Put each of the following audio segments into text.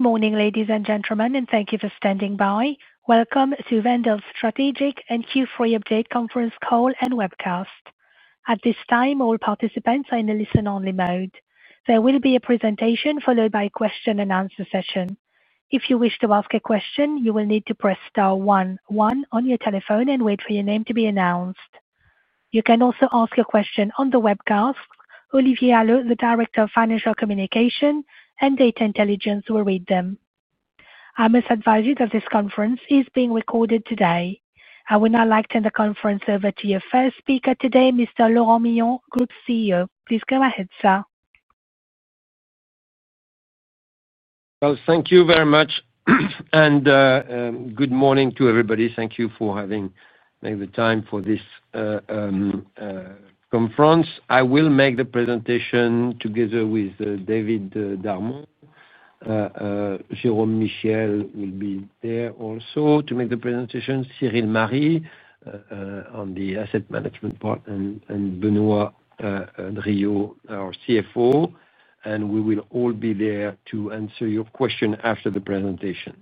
Morning, ladies and gentlemen, and thank you for standing by. Welcome to Wendel's strategic and Q3 update conference call and webcast. At this time, all participants are in a listen-only mode. There will be a presentation followed by a question-and-answer session. If you wish to ask a question, you will need to press star one, one, on your telephone and wait for your name to be announced. You can also ask a question on the webcast. Olivier Allot, the Director of Financial Communication and Data Intelligence, will read them. I must advise you that this conference is being recorded today. I would now like to turn the conference over to your first speaker today, Mr. Laurent Mignon, Group CEO. Please go ahead, sir. Thank you very much, and good morning to everybody. Thank you for having the time for this conference. I will make the presentation together with David Darmon. Jérôme Michiels will be there also to make the presentation. Cyril Marie on the asset management part, and Benoît Drillaud, our CFO, and we will all be there to answer your question after the presentation.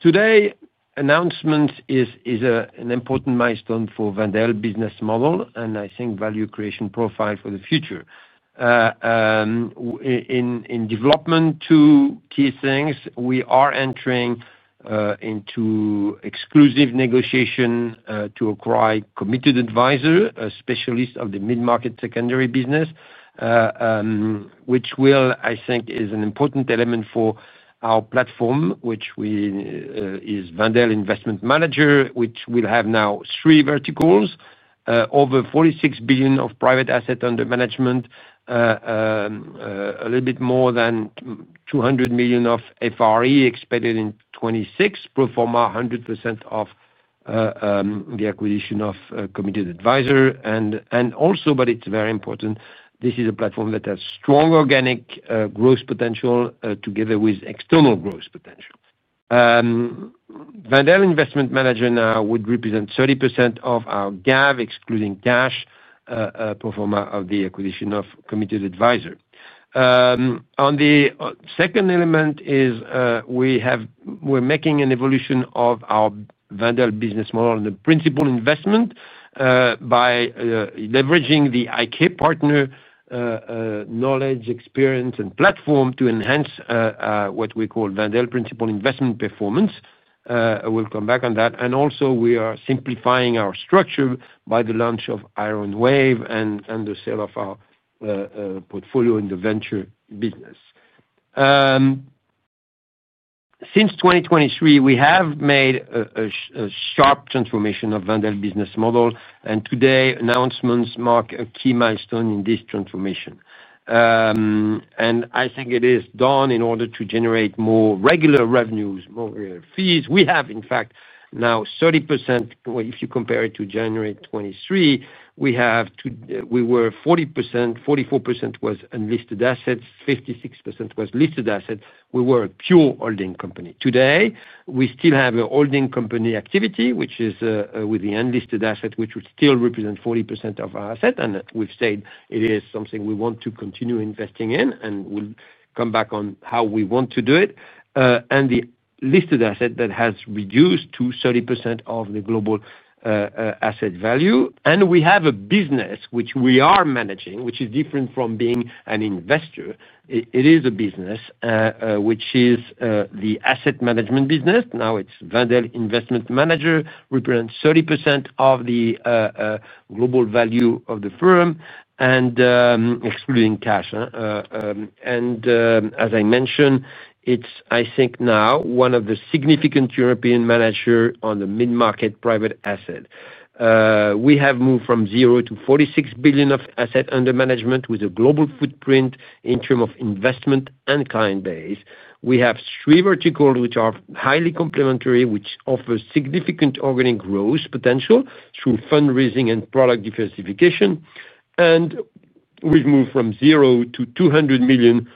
Today, the announcement is an important milestone for Wendel's business model and, I think, value creation profile for the future. In development, two key things. We are entering into exclusive negotiation to acquire Committed Advisors, a specialist of the mid-market secondary business, which will, I think, is an important element for our platform, which is Wendel Investment Manager, which will have now three verticals, over 46 billion of private assets under management, a little bit more than 200 million of FRE expected in 2026, pro forma 100% of the acquisition of Committed Advisors. Also, it is very important, this is a platform that has strong organic growth potential together with external growth potential. Wendel Investment Manager now would represent 30% of our GAV, excluding cash, pro forma of the acquisition of Committed Advisors. On the second element, we are making an evolution of our Wendel business model and the principal investment by leveraging the IK Partners knowledge, experience, and platform to enhance what we call Wendel principal investment performance. We'll come back on that. We are also simplifying our structure by the launch of IronWave and the sale of our portfolio in the venture business. Since 2023, we have made a sharp transformation of Wendel business model, and today, announcements mark a key milestone in this transformation. I think it is done in order to generate more regular revenues, more fees. We have, in fact, now 30%. If you compare it to January 2023, we were 40%, 44% was unlisted assets, 56% was listed assets. We were a pure holding company. Today, we still have a holding company activity, which is with the unlisted assets, which would still represent 40% of our assets. We've said it is something we want to continue investing in, and we'll come back on how we want to do it. The listed asset has reduced to 30% of the global asset value. We have a business which we are managing, which is different from being an investor. It is a business which is the asset management business. Now it's Wendel Investment Manager, represents 30% of the global value of the firm, excluding cash. As I mentioned, it's, I think, now one of the significant European managers on the mid-market private asset. We have moved from 0-46 billion of assets under management with a global footprint in terms of investment and client base. We have three verticals which are highly complementary, which offer significant organic growth potential through fundraising and product diversification. We've moved from 0-200 million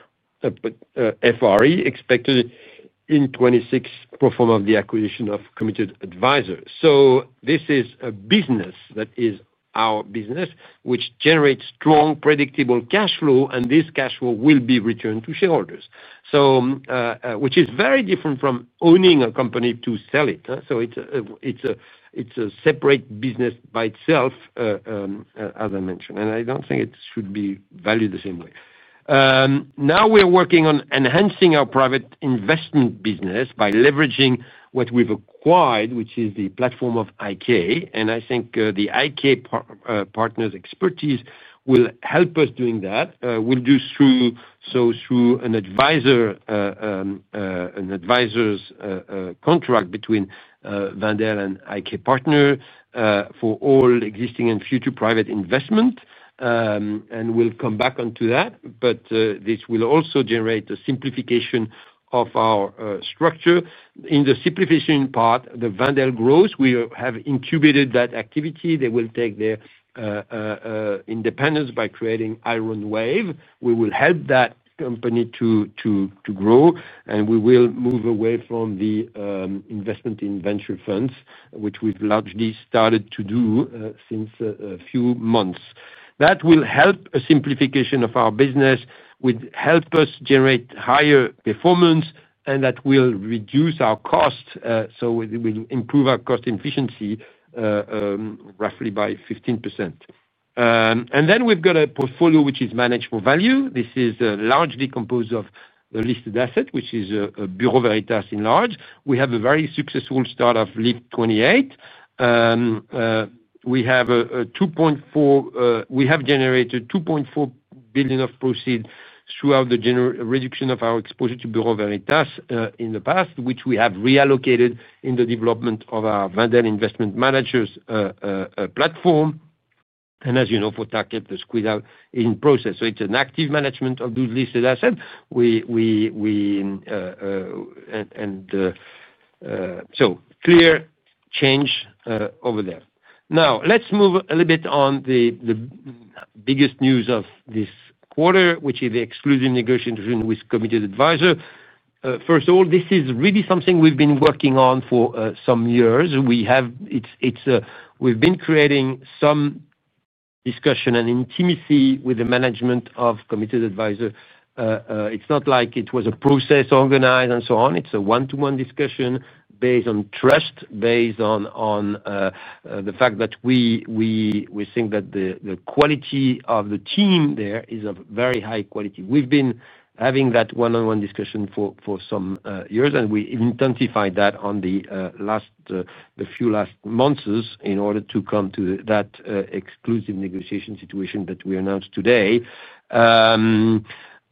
FRE expected in 2026, pro forma of the acquisition of Committed Advisors. This is a business that is our business, which generates strong, predictable cash flow, and this cash flow will be returned to shareholders, which is very different from owning a company to sell it. It's a separate business by itself, as I mentioned. I don't think it should be valued the same way. Now we are working on enhancing our private investment business by leveraging what we've acquired, which is the platform of IK. I think the IK Partners' expertise will help us doing that. We'll do so through an advisor's contract between Wendel and IK Partners for all existing and future private investment. We'll come back onto that. This will also generate a simplification of our structure. In the simplification part, the Wendel growth, we have incubated that activity. They will take their independence by creating IronWave. We will help that company to grow. We will move away from the investment in venture funds, which we've largely started to do since a few months. That will help a simplification of our business, will help us generate higher performance, and that will reduce our cost. It will improve our cost efficiency roughly by 15%. We've got a portfolio which is managed for value. This is largely composed of the listed assets, which is Bureau Veritas enlarged. We have a very successful start of LIFT28. We have generated 2.4 billion of proceeds throughout the reduction of our exposure to Bureau Veritas in the past, which we have reallocated in the development of our Wendel Investment Manager platform. As you know, for Target, the squeeze-out is in process. It's an active management of those listed assets. Clear change over there. Now, let's move a little bit on the biggest news of this quarter, which is the exclusive negotiation with Committed Advisors. First of all, this is really something we've been working on for some years. We've been creating some discussion and intimacy with the management of Committed Advisors. It's not like it was a process organized and so on. It's a one-to-one discussion based on trust, based on the fact that we think that the quality of the team there is of very high quality. We've been having that one-on-one discussion for some years, and we intensified that in the last few months in order to come to that exclusive negotiation situation that we announced today.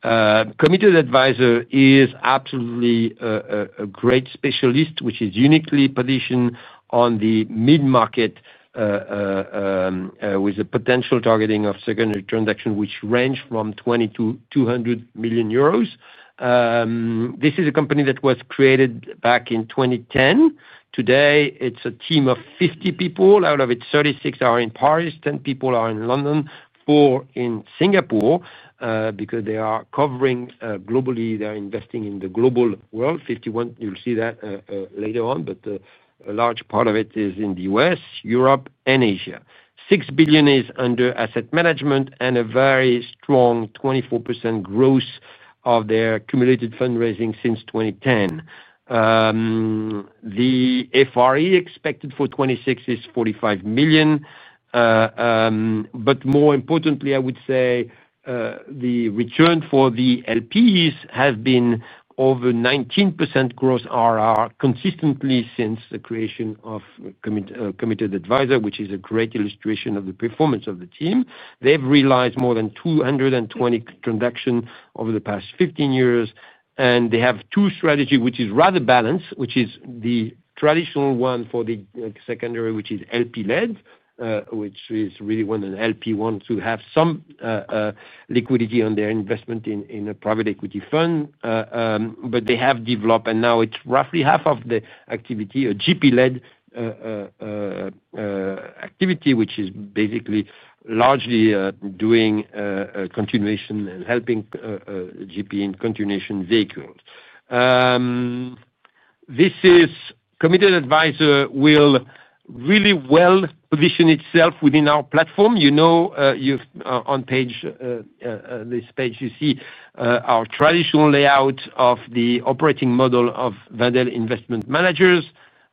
Committed Advisors is absolutely a great specialist, which is uniquely positioned on the mid-market with a potential targeting of secondary transactions, which range from 20 million to 200 million euros. This is a company that was created back in 2010. Today, it's a team of 50 people. Out of it, 36 are in Paris, 10 people are in London, 4 in Singapore because they are covering globally. They're investing in the global world. 51, you'll see that later on. A large part of it is in the U.S., Europe, and Asia. 6 billion is under asset management and a very strong 24% growth of their accumulated fundraising since 2010. The FRE expected for 2026 is 45 million. More importantly, I would say the return for the LPs has been over 19% gross IRR consistently since the creation of Committed Advisors, which is a great illustration of the performance of the team. They've realized more than 220 transactions over the past 15 years. They have two strategies, which is rather balanced, which is the traditional one for the secondary, which is LP-led, which is really when an LP wants to have some liquidity on their investment in a private equity fund. They have developed, and now it's roughly half of the activity, a GP-led activity, which is basically largely doing continuation and helping GP in continuation vehicles. Committed Advisors will really well position itself within our platform. On this page, you see our traditional layout of the operating model of Wendel Investment Manager.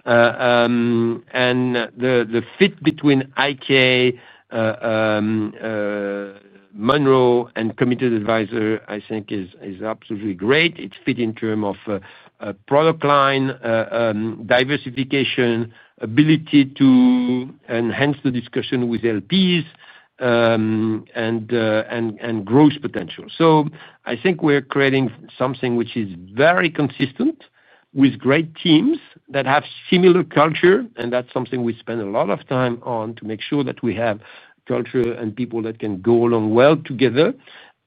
The fit between IK, Monroe, and Committed Advisors, I think, is absolutely great. It's fit in terms of product line, diversification, ability to enhance the discussion with LPs, and growth potential. I think we're creating something which is very consistent with great teams that have similar culture. That's something we spend a lot of time on to make sure that we have culture and people that can go along well together.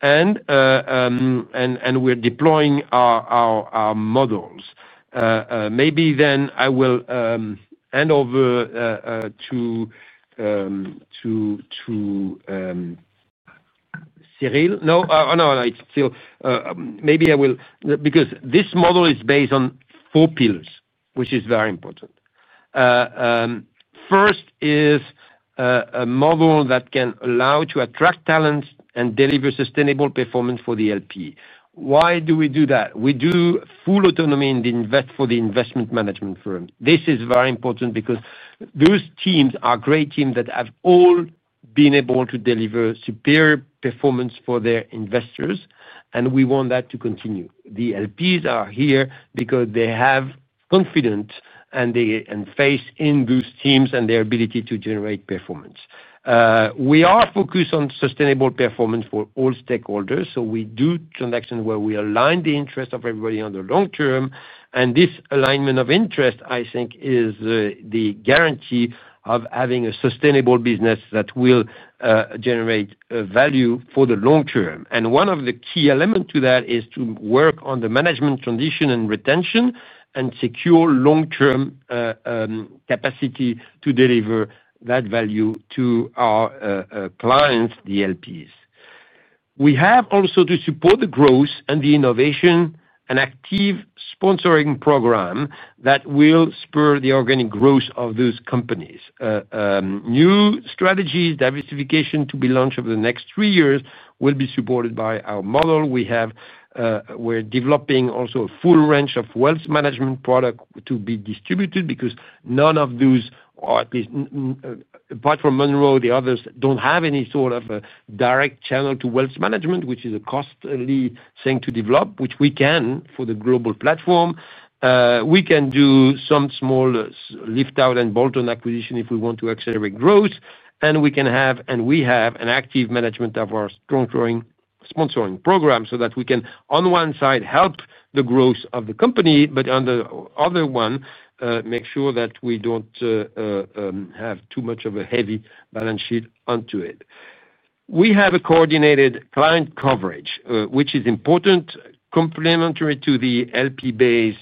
We're deploying our models. Maybe I will hand over to Cyril. No, it's still maybe I will because this model is based on four pillars, which is very important. First is a model that can allow to attract talent and deliver sustainable performance for the LP. Why do we do that? We do full autonomy for the investment management firm. This is very important because those teams are great teams that have all been able to deliver superior performance for their investors, and we want that to continue. The LPs are here because they have confidence and they have faith in those teams and their ability to generate performance. We are focused on sustainable performance for all stakeholders. We do transactions where we align the interests of everybody on the long term. This alignment of interest, I think, is the guarantee of having a sustainable business that will generate value for the long term. One of the key elements to that is to work on the management transition and retention and secure long-term capacity to deliver that value to our clients, the LPs. We have also to support the growth and the innovation and active sponsoring program that will spur the organic growth of those companies. New strategies, diversification to be launched over the next three years will be supported by our model. We're developing also a full range of wealth management products to be distributed because none of those, or at least apart from Monroe, the others don't have any sort of direct channel to wealth management, which is a costly thing to develop, which we can for the global platform. We can do some small liftout and bolt-on acquisition if we want to accelerate growth. We have an active management of our strong growing sponsoring program so that we can, on one side, help the growth of the company, but on the other one, make sure that we don't have too much of a heavy balance sheet onto it. We have a coordinated client coverage, which is important, complementary to the LP base,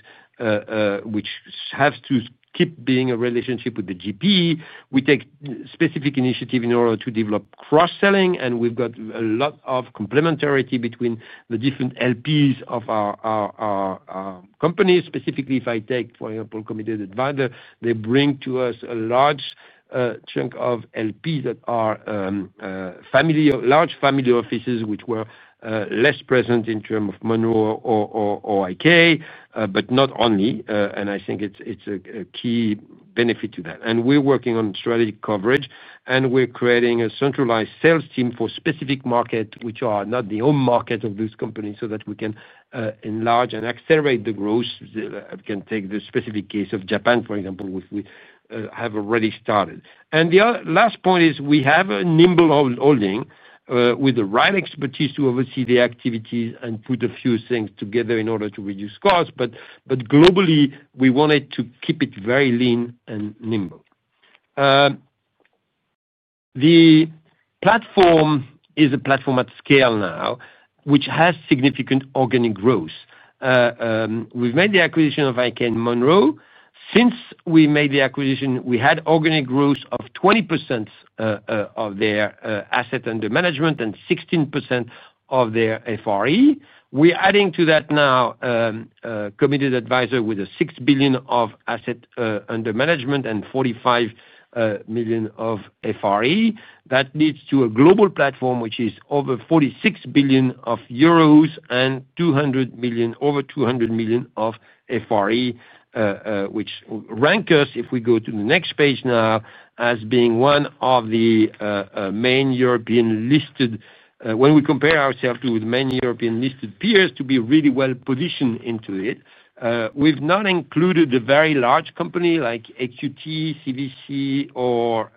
which has to keep being a relationship with the GP. We take specific initiatives in order to develop cross-selling, and we've got a lot of complementarity between the different LPs of our companies. Specifically, if I take, for example, Committed Advisors, they bring to us a large chunk of LPs that are family, large family offices, which were less present in terms of Monroe or IK, but not only. I think it's a key benefit to that. We are working on strategic coverage, and we are creating a centralized sales team for specific markets, which are not the home markets of those companies, so that we can enlarge and accelerate the growth. We can take the specific case of Japan, for example, which we have already started. The last point is we have a nimble holding with the right expertise to oversee the activities and put a few things together in order to reduce costs. Globally, we wanted to keep it very lean and nimble. The platform is a platform at scale now, which has significant organic growth. We have made the acquisition of IK and Monroe. Since we made the acquisition, we had organic growth of 20% of their assets under management and 16% of their fee-related earnings. We are adding to that now Committed Advisors with 6 billion of assets under management and 45 million of fee-related earnings. That leads to a global platform, which is over 46 billion euros and over 200 million of fee-related earnings, which rank us, if we go to the next page now, as being one of the main European listed. When we compare ourselves to the main European listed peers, to be really well positioned into it, we have not included the very large companies like EQT, CVC, or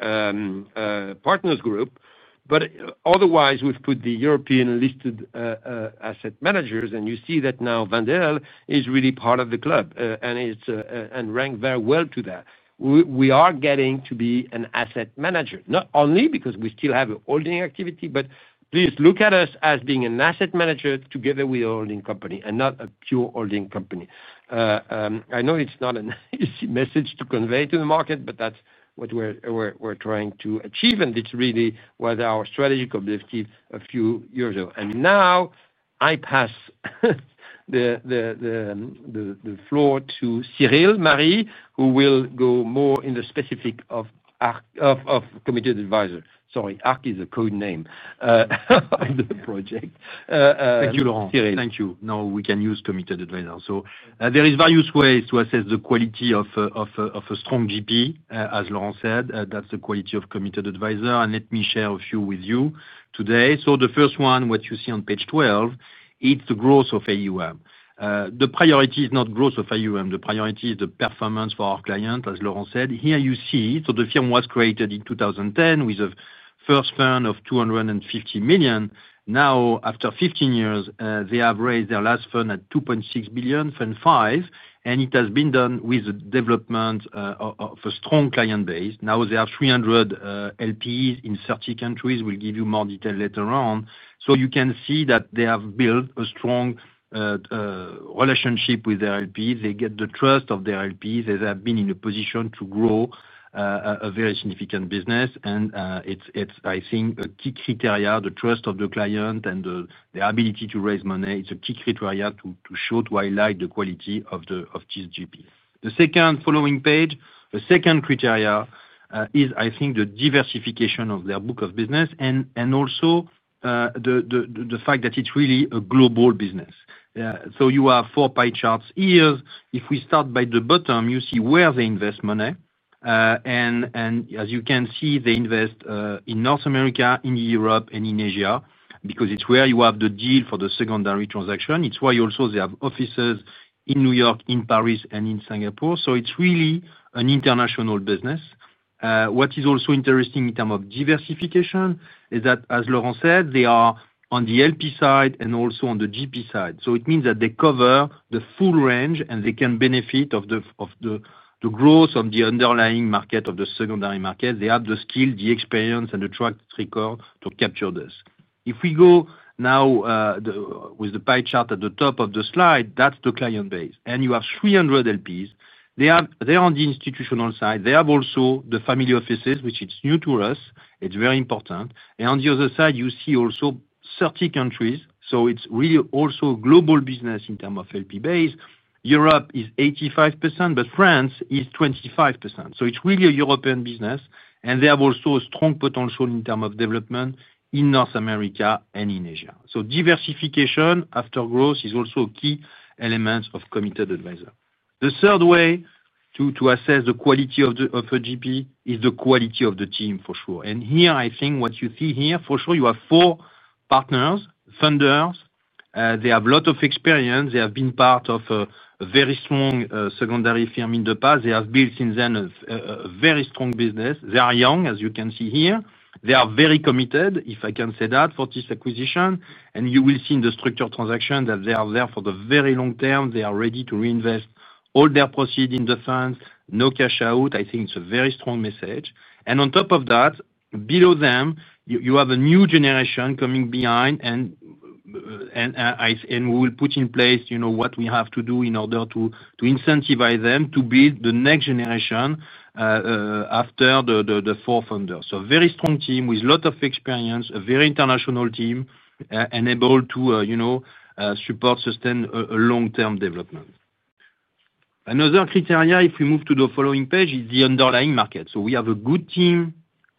Partners Group. Otherwise, we have put the European listed asset managers. You see that now Wendel is really part of the club and ranks very well to that. We are getting to be an asset manager, not only because we still have a holding activity, but please look at us as being an asset manager together with a holding company and not a pure holding company. I know it is not an easy message to convey to the market, but that is what we are trying to achieve. It is really what our strategic objective was a few years ago. I now pass the floor to Cyril Marie, who will go more into the specifics of Committed Advisors. Sorry, ARC is a code name of the project. Thank you, Laurent. Thank you. No, we can use Committed Advisors. There are various ways to assess the quality of a strong GP. As Laurent said, that's the quality of Committed Advisors. Let me share a few with you today. The first one, what you see on page 12, is the growth of AUM. The priority is not growth of AUM. The priority is the performance for our client, as Laurent said. Here you see, the firm was created in 2010 with a first fund of 250 million. Now, after 15 years, they have raised their last fund at 2.6 billion, fund five, and it has been done with the development of a strong client base. Now they have 300 LPs in 30 countries. We'll give you more detail later on. You can see that they have built a strong relationship with their LPs. They get the trust of their LPs. They have been in a position to grow a very significant business. I think it's a key criteria, the trust of the client and the ability to raise money. It's a key criteria to highlight the quality of this GP. The second following page, the second criteria is, I think, the diversification of their book of business and also the fact that it's really a global business. You have four pie charts here. If we start by the bottom, you see where they invest money. As you can see, they invest in North America, in Europe, and in Asia because it's where you have the deal for the secondary transaction. It's why they have offices in New York, in Paris, and in Singapore. It's really an international business. What is also interesting in terms of diversification is that, as Laurent said, they are on the LP side and also on the GP side. It means that they cover the full range and they can benefit from the growth of the underlying market of the secondary market. They have the skill, the experience, and the track record to capture this. If we go now with the pie chart at the top of the slide, that's the client base. You have 300 LPs. They are on the institutional side. They have also the family offices, which is new to us. It's very important. On the other side, you see also 30 countries. It's really also a global business in terms of LP base. Europe is 85%, but France is 25%. It's really a European business. They have also a strong potential in terms of development in North America and in Asia. Diversification after growth is also a key element of Committed Advisors. The third way to assess the quality of a GP is the quality of the team, for sure. Here, I think what you see here, for sure, you have four partners, founders. They have a lot of experience. They have been part of a very strong secondary firm in the past. They have built since then a very strong business. They are young, as you can see here. They are very committed, if I can say that, for this acquisition. You will see in the structured transaction that they are there for the very long term. They are ready to reinvest all their proceeds in the funds, no cash out. I think it's a very strong message. On top of that, below them, you have a new generation coming behind. We will put in place what we have to do in order to incentivize them to build the next generation after the four founders. A very strong team with a lot of experience, a very international team, and able to support, sustain a long-term development. Another criteria, if we move to the following page, is the underlying market. We have a good team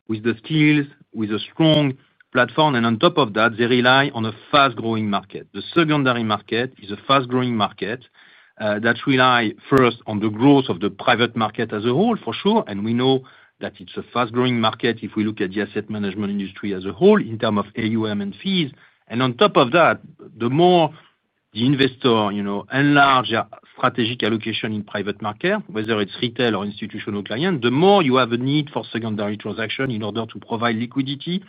with the skills, with a strong platform. On top of that, they rely on a fast-growing market. The secondary market is a fast-growing market that relies first on the growth of the private market as a whole, for sure. We know that it's a fast-growing market if we look at the asset management industry as a whole in terms of AUM and fees. On top of that, the more the investor enlarges strategic allocation in private market, whether it's retail or institutional clients, the more you have a need for secondary transaction in order to provide liquidity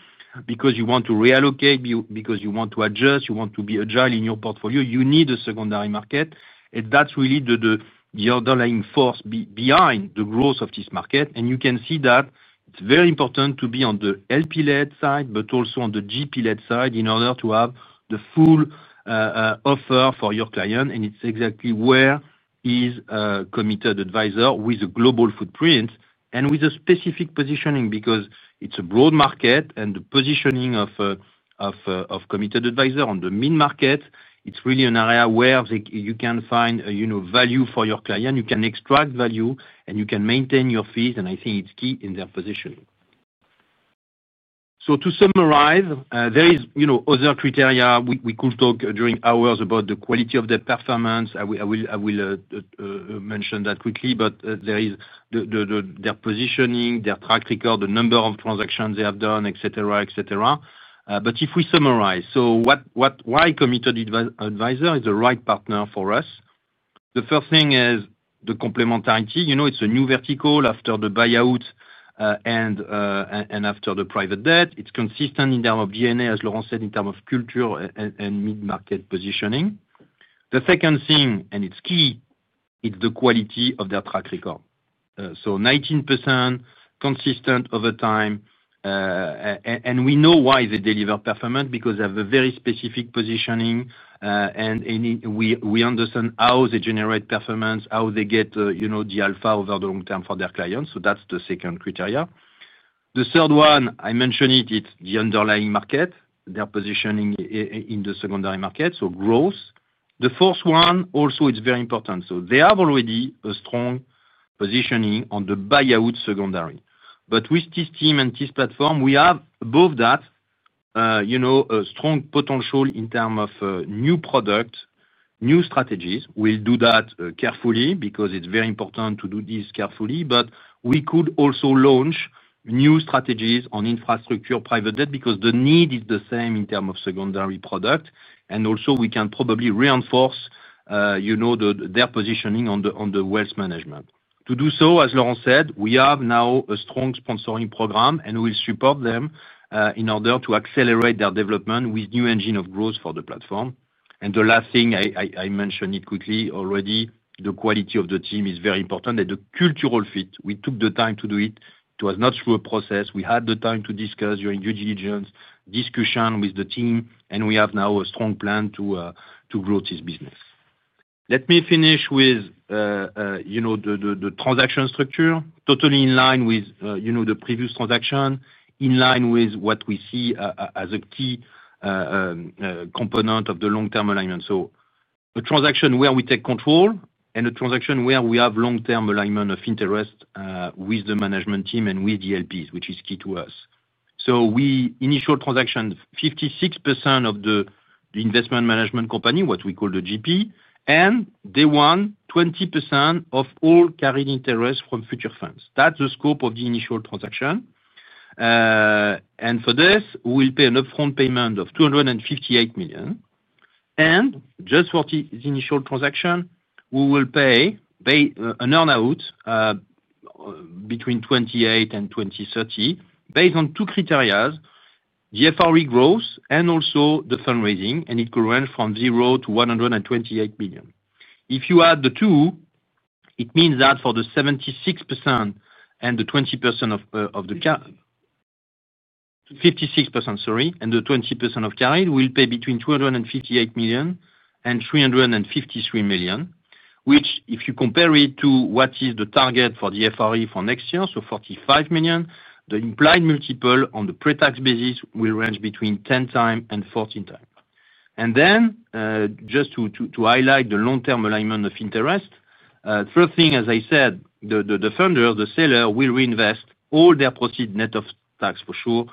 because you want to reallocate, because you want to adjust, you want to be agile in your portfolio, you need a secondary market. That's really the underlying force behind the growth of this market. You can see that it's very important to be on the LP-led side, but also on the GP-led side in order to have the full offer for your client. It's exactly where is Committed Advisors with a global footprint and with a specific positioning because it's a broad market. The positioning of Committed Advisors on the mid-market, it's really an area where you can find value for your client. You can extract value, and you can maintain your fees. I think it's key in their positioning. To summarize, there are other criteria. We could talk during hours about the quality of their performance. I will mention that quickly. There is their positioning, their track record, the number of transactions they have done, etc., etc. If we summarize, why is Committed Advisors the right partner for us? The first thing is the complementarity. You know, it's a new vertical after the buyout and after the private debt. It's consistent in terms of DNA, as Laurent said, in terms of culture and mid-market positioning. The second thing, and it's key, is the quality of their track record. So 19% consistent over time. We know why they deliver performance because they have a very specific positioning. We understand how they generate performance, how they get the alpha over the long term for their clients. That's the second criteria. The third one, I mentioned it, it's the underlying market, their positioning in the secondary market, so growth. The fourth one, also, it's very important. They have already a strong positioning on the buyout secondary. With this team and this platform, we have both that, you know, a strong potential in terms of new products, new strategies. We'll do that carefully because it's very important to do this carefully. We could also launch new strategies on infrastructure, private debt because the need is the same in terms of secondary products. We can probably reinforce their positioning on the wealth management. To do so, as Laurent said, we have now a strong sponsoring program, and we'll support them in order to accelerate their development with a new engine of growth for the platform. The last thing, I mentioned it quickly already, the quality of the team is very important. The cultural fit, we took the time to do it. It was not through a process. We had the time to discuss during due diligence discussion with the team. We have now a strong plan to grow this business. Let me finish with the transaction structure, totally in line with the previous transaction, in line with what we see as a key component of the long-term alignment. A transaction where we take control and a transaction where we have long-term alignment of interest with the management team and with the LPs, which is key to us. The initial transaction, 56% of the investment management company, what we call the GP, and day one, 20% of all carried interest from future funds. That's the scope of the initial transaction. For this, we'll pay an upfront payment of 258 million. For this initial transaction, we will pay an earnout between 2028 and 2030 based on two criteria: the FRE growth and also the fundraising. It could range from 0 to 128 million. If you add the two, it means that for the 76% and the 20% of the 56%, sorry, and the 20% of carried, we'll pay between 258 million and 353 million, which, if you compare it to what is the target for the FRE for next year, so 45 million, the implied multiple on the pretax basis will range between 10x and 14x. To highlight the long-term alignment of interest, the first thing, as I said, the funder, the seller will reinvest all their proceeds net of tax, for sure,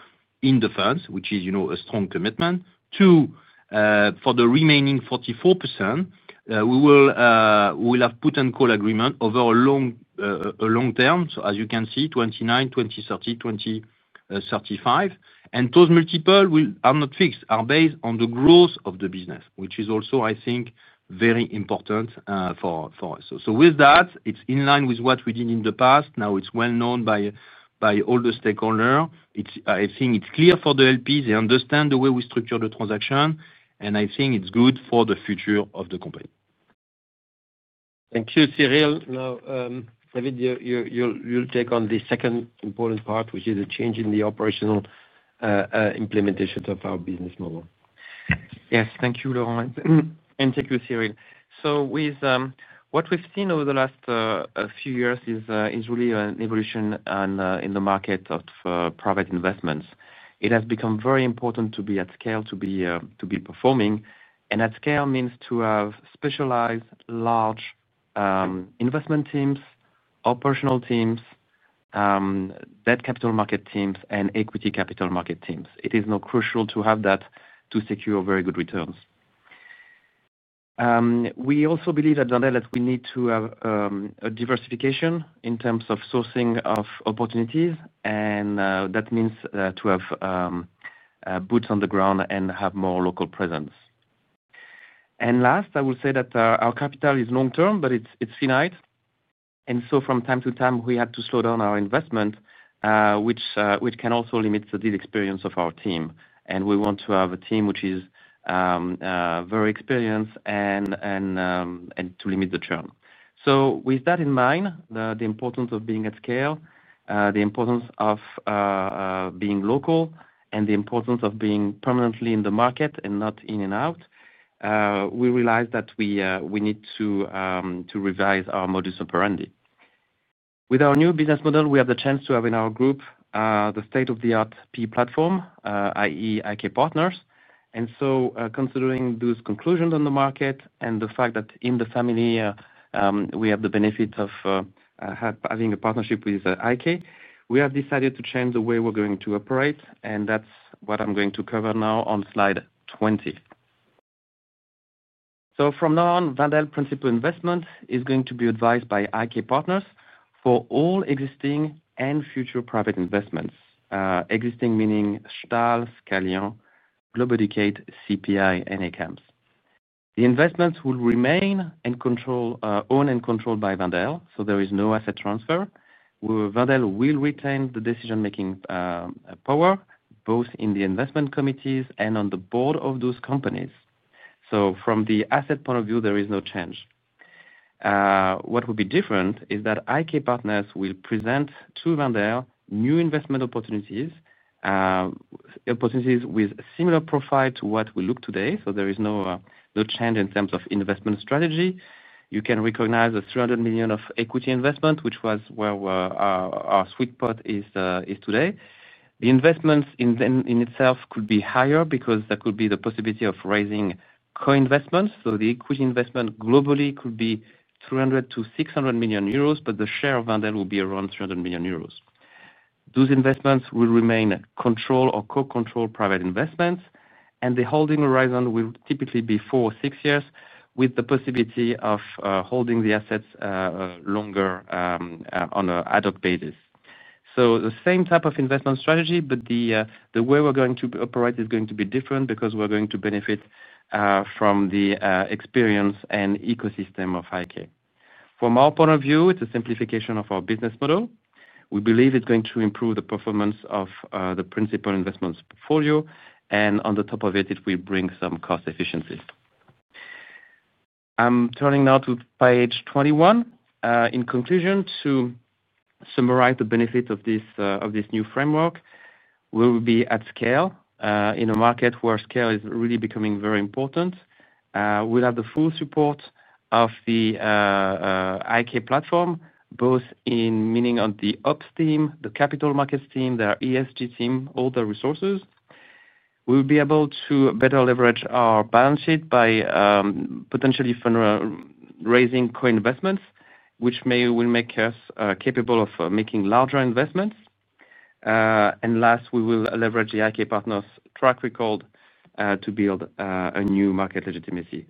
in the funds, which is a strong commitment. For the remaining 44%, we will have put and call agreement over a long term. You can see, 2029, 2030, 2035. Those multiples are not fixed, are based on the growth of the business, which is also, I think, very important for us. It is in line with what we did in the past. Now it's well known by all the stakeholders. I think it's clear for the LPs. They understand the way we structure the transaction. I think it's good for the future of the company. Thank you, Cyril. Now, David, you'll take on the second important part, which is the change in the operational implementation of our business model. Yes. Thank you, Laurent, and thank you, Cyril. What we've seen over the last few years is really an evolution in the market of private investments. It has become very important to be at scale, to be performing. At scale means to have specialized, large investment teams, operational teams, debt capital market teams, and equity capital market teams. It is now crucial to have that to secure very good returns. We also believe that Wendel needs to have a diversification in terms of sourcing of opportunities. That means to have boots on the ground and have more local presence. Last, I will say that our capital is long-term, but it's finite. From time to time, we had to slow down our investment, which can also limit the experience of our team. We want to have a team which is very experienced and to limit the churn. With that in mind, the importance of being at scale, the importance of being local, and the importance of being permanently in the market and not in and out, we realized that we need to revise our modus operandi. With our new business model, we have the chance to have in our group the state-of-the-art PE platform, i.e., IK Partners. Considering those conclusions on the market and the fact that in the family, we have the benefits of having a partnership with IK, we have decided to change the way we're going to operate. That's what I'm going to cover now on slide 20. From now on, Wendel Principal Investment is going to be advised by IK Partners for all existing and future private investments. Existing meaning Stahl, Scallion, Global Decade, CPI, and ACAMS. The investments will remain owned and controlled by Wendel. There is no asset transfer. Wendel will retain the decision-making power both in the investment committees and on the board of those companies. From the asset point of view, there is no change. What will be different is that IK Partners will present to Wendel new investment opportunities, opportunities with a similar profile to what we look at today. There is no change in terms of investment strategy. You can recognize the 300 million of equity investment, which was where our sweet spot is today. The investments in itself could be higher because there could be the possibility of raising co-investments. The equity investment globally could be 300-600 million euros, but the share of Wendel will be around 300 million euros. Those investments will remain control or co-control private investments. The holding horizon will typically be four or six years, with the possibility of holding the assets longer on an ad hoc basis. The same type of investment strategy, but the way we're going to operate is going to be different because we're going to benefit from the experience and ecosystem of IK. From our point of view, it's a simplification of our business model. We believe it's going to improve the performance of the principal investment portfolio. On the top of it, it will bring some cost efficiency. I'm turning now to page 21. In conclusion, to summarize the benefits of this new framework, we will be at scale in a market where scale is really becoming very important. We'll have the full support of the IK platform, both in meaning on the ops team, the capital markets team, their ESG team, all the resources. We'll be able to better leverage our balance sheet by potentially fundraising co-investments, which will make us capable of making larger investments. Last, we will leverage the IK Partners' track record to build a new market legitimacy.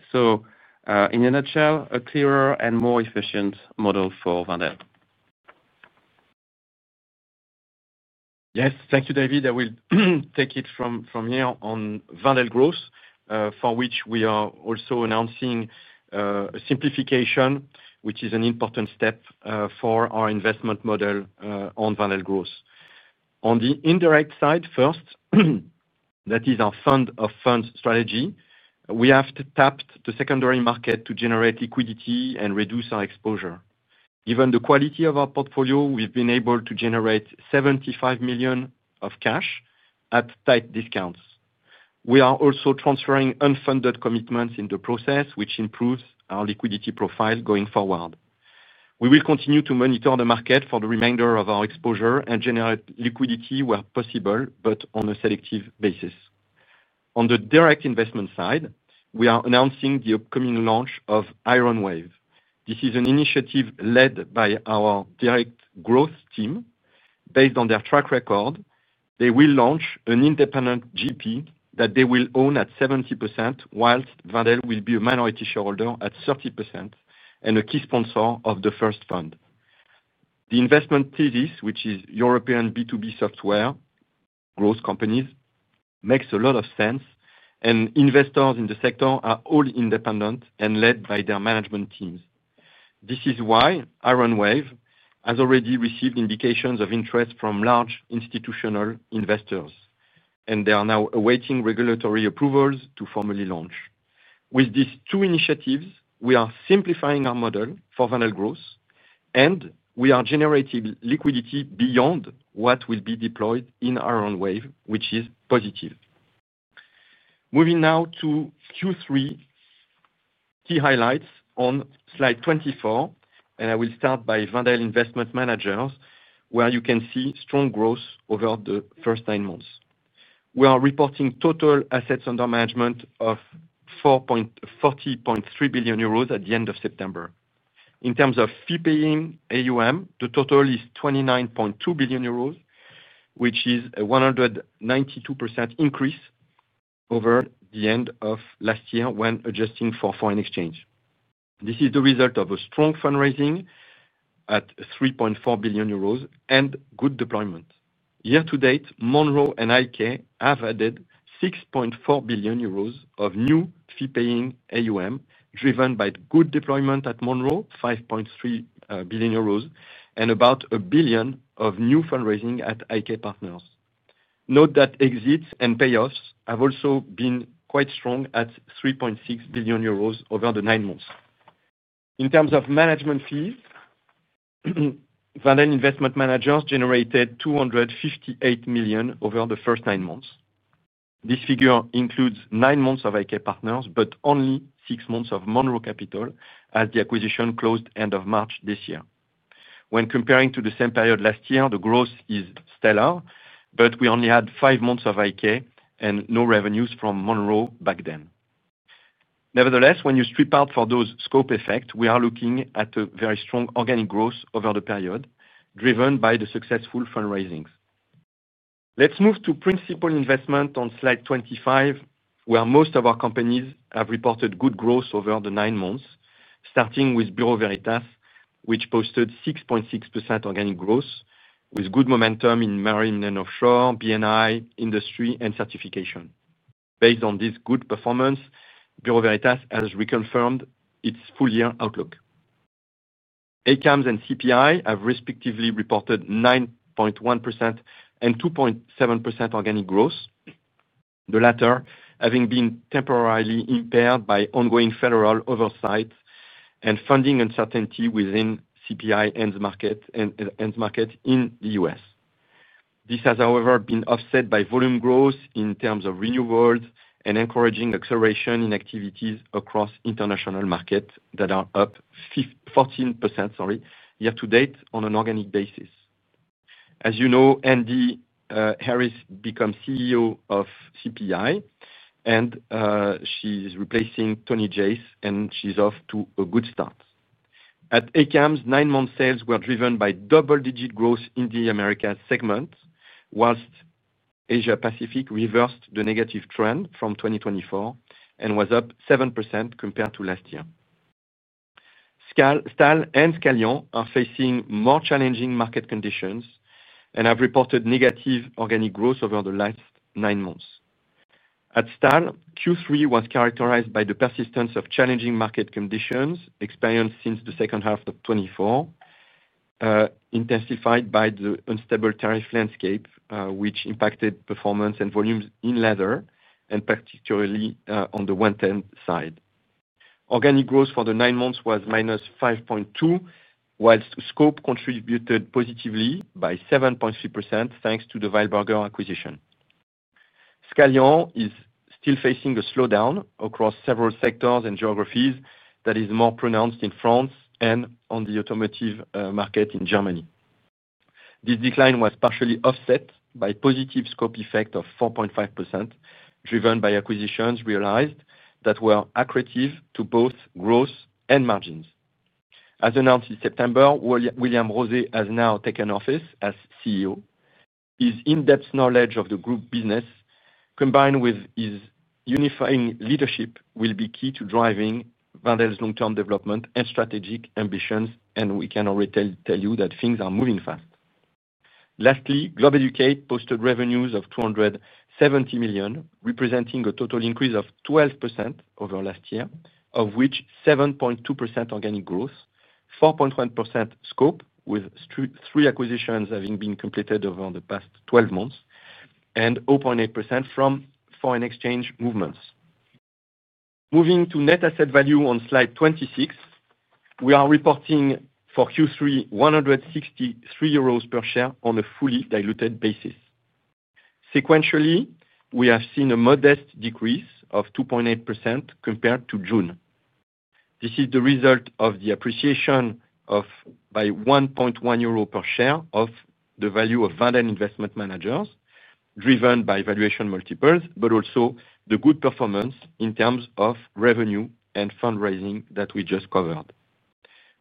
In a nutshell, a clearer and more efficient model for Wendel. Yes. Thank you, David. I will take it from here on Wendel Growth, for which we are also announcing a simplification, which is an important step for our investment model on Wendel Growth. On the indirect side, first, that is our fund-of-fund strategy. We have tapped the secondary market to generate liquidity and reduce our exposure. Given the quality of our portfolio, we've been able to generate 75 million of cash at tight discounts. We are also transferring unfunded commitments in the process, which improves our liquidity profile going forward. We will continue to monitor the market for the remainder of our exposure and generate liquidity where possible, but on a selective basis. On the direct investment side, we are announcing the upcoming launch of IronWave. This is an initiative led by our direct growth team. Based on their track record, they will launch an independent GP that they will own at 70%, while Wendel will be a minority shareholder at 30% and a key sponsor of the first fund. The investment thesis, which is European B2B software growth companies, makes a lot of sense. Investors in the sector are all independent and led by their management teams. This is why IronWave has already received indications of interest from large institutional investors. They are now awaiting regulatory approvals to formally launch. With these two initiatives, we are simplifying our model for Wendel Growth, and we are generating liquidity beyond what will be deployed in IronWave, which is positive. Moving now to Q3, key highlights on slide 24. I will start by Wendel Investment Manager, where you can see strong growth over the first nine months. We are reporting total assets under management of 40.3 billion euros at the end of September. In terms of fee-paying AUM, the total is 29.2 billion euros, which is a 192% increase over the end of last year when adjusting for foreign exchange. This is the result of a strong fundraising at 3.4 billion euros and good deployment. Year-to-date, Monroe and IK have added 6.4 billion euros of new fee-paying AUM, driven by good deployment at Monroe, 5.3 billion euros, and about 1 billion of new fundraising at IK Partners. Note that exits and payoffs have also been quite strong at 3.6 billion euros over the nine months. In terms of management fees, Wendel Investment Manager generated 258 million over the first nine months. This figure includes nine months of IK Partners, but only six months of Monroe Capital as the acquisition closed end of March this year. When comparing to the same period last year, the growth is stellar, but we only had five months of IK and no revenues from Monroe back then. Nevertheless, when you strip out for those scope effects, we are looking at a very strong organic growth over the period, driven by the successful fundraisings. Let's move to principal investment on slide 25, where most of our companies have reported good growth over the nine months, starting with Bureau Veritas, which posted 6.6% organic growth, with good momentum in marine and offshore, BNI, industry, and certification. Based on this good performance, Bureau Veritas has reconfirmed its full-year outlook. ACAMS and CPI have respectively reported 9.1% and 2.7% organic growth, the latter having been temporarily impaired by ongoing federal oversight and funding uncertainty within CPI's end market in the U.S. This has, however, been offset by volume growth in terms of renewables and encouraging acceleration in activities across international markets that are up 14% year-to-date on an organic basis. As you know, Andy Harris becomes CEO of CPI, and she is replacing Tony Jace, and she's off to a good start. At ACAMS, nine-month sales were driven by double-digit growth in the America segment, whilst Asia-Pacific reversed the negative trend from 2024 and was up 7% compared to last year. Stahl and Scallion are facing more challenging market conditions and have reported negative organic growth over the last nine months. At Stahl, Q3 was characterized by the persistence of challenging market conditions experienced since the second half of 2024, intensified by the unstable tariff landscape, which impacted performance and volumes in leather, and particularly on the one-ten side. Organic growth for the nine months was -5.2%, whilst the scope contributed positively by 7.3% thanks to the Weilberger acquisition. Scallion is still facing a slowdown across several sectors and geographies that is more pronounced in France and on the automotive market in Germany. This decline was partially offset by a positive scope effect of 4.5%, driven by acquisitions realized that were accretive to both growth and margins. As announced in September, William Rosé has now taken office as CEO. His in-depth knowledge of the group business, combined with his unifying leadership, will be key to driving Wendel's long-term development and strategic ambitions. We can already tell you that things are moving fast. Lastly, Global Decade posted revenues of 270 million, representing a total increase of 12% over last year, of which 7.2% organic growth, 4.1% scope, with three acquisitions having been completed over the past 12 months, and 0.8% from foreign exchange movements. Moving to net asset value on slide 26, we are reporting for Q3 163 euros per share on a fully diluted basis. Sequentially, we have seen a modest decrease of 2.8% compared to June. This is the result of the appreciation by 1.1 euro per share of the value of Wendel Investment Manager, driven by valuation multiples, but also the good performance in terms of revenue and fundraising that we just covered.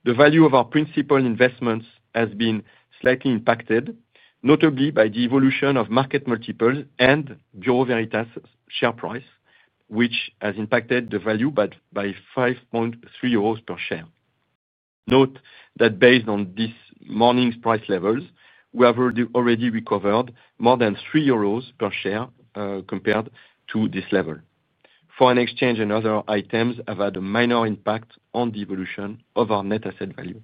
The value of our principal investments has been slightly impacted, notably by the evolution of market multiples and Bureau Veritas share price, which has impacted the value by 5.3 euros per share. Note that based on this morning's price levels, we have already recovered more than 3 euros per share compared to this level. Foreign exchange and other items have had a minor impact on the evolution of our net asset value.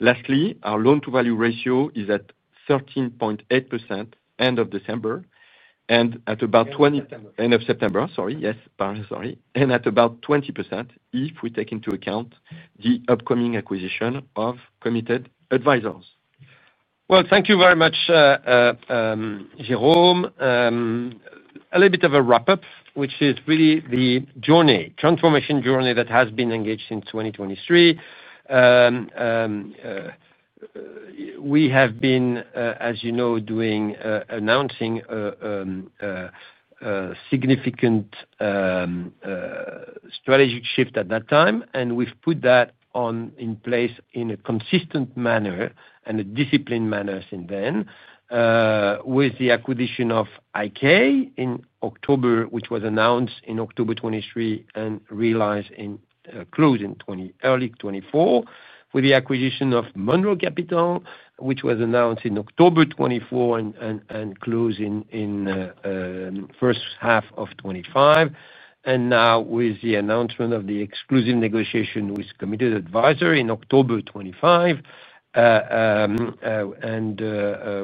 Lastly, our loan-to-value ratio is at 13.8% end of December and at about 20% end of September, and at about 20% if we take into account the upcoming acquisition of Committed Advisors. Thank you very much, Jérôme. A little bit of a wrap-up, which is really the journey, transformation journey that has been engaged since 2023. We have been, as you know, announcing a significant strategic shift at that time. We have put that in place in a consistent manner and a disciplined manner since then, with the acquisition of IK in October, which was announced in October 2023, and closed in early 2024, with the acquisition of Monroe Capital, which was announced in October 2024, and closed in the first half of 2025. Now, with the announcement of the exclusive negotiation with Committed Advisors in October 2025,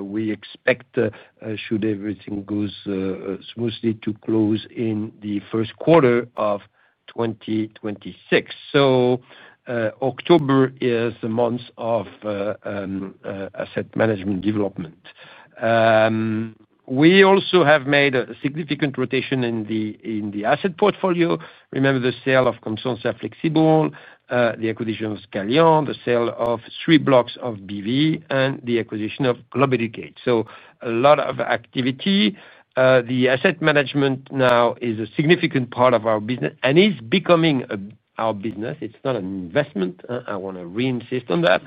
we expect, should everything go smoothly, to close in the first quarter of 2026. October is a month of asset management development. We also have made a significant rotation in the asset portfolio. Remember the sale of Consorcia Flexible, the acquisition of Scallion, the sale of three blocks of BV, and the acquisition of Global Decade. A lot of activity. The asset management now is a significant part of our business and is becoming our business. It's not an investment. I want to reinsist on that.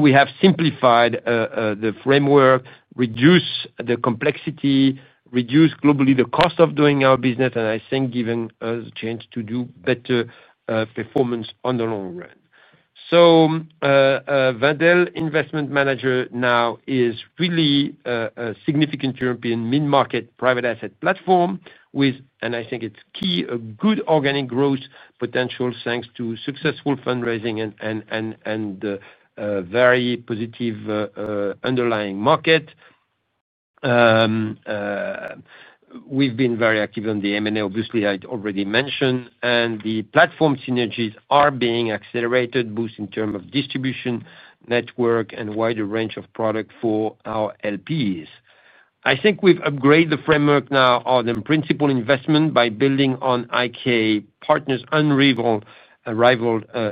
We have simplified the framework, reduced the complexity, reduced globally the cost of doing our business, and I think given us a chance to do better performance on the long run. Wendel Investment Manager now is really a significant European mid-market private asset platform with, and I think it's key, a good organic growth potential thanks to successful fundraising and the very positive underlying market. We have been very active on the M&A, obviously, I already mentioned. The platform synergies are being accelerated, both in terms of distribution, network, and a wider range of products for our LPs. I think we've upgraded the framework now of the principal investment by building on IK Partners' unrivaled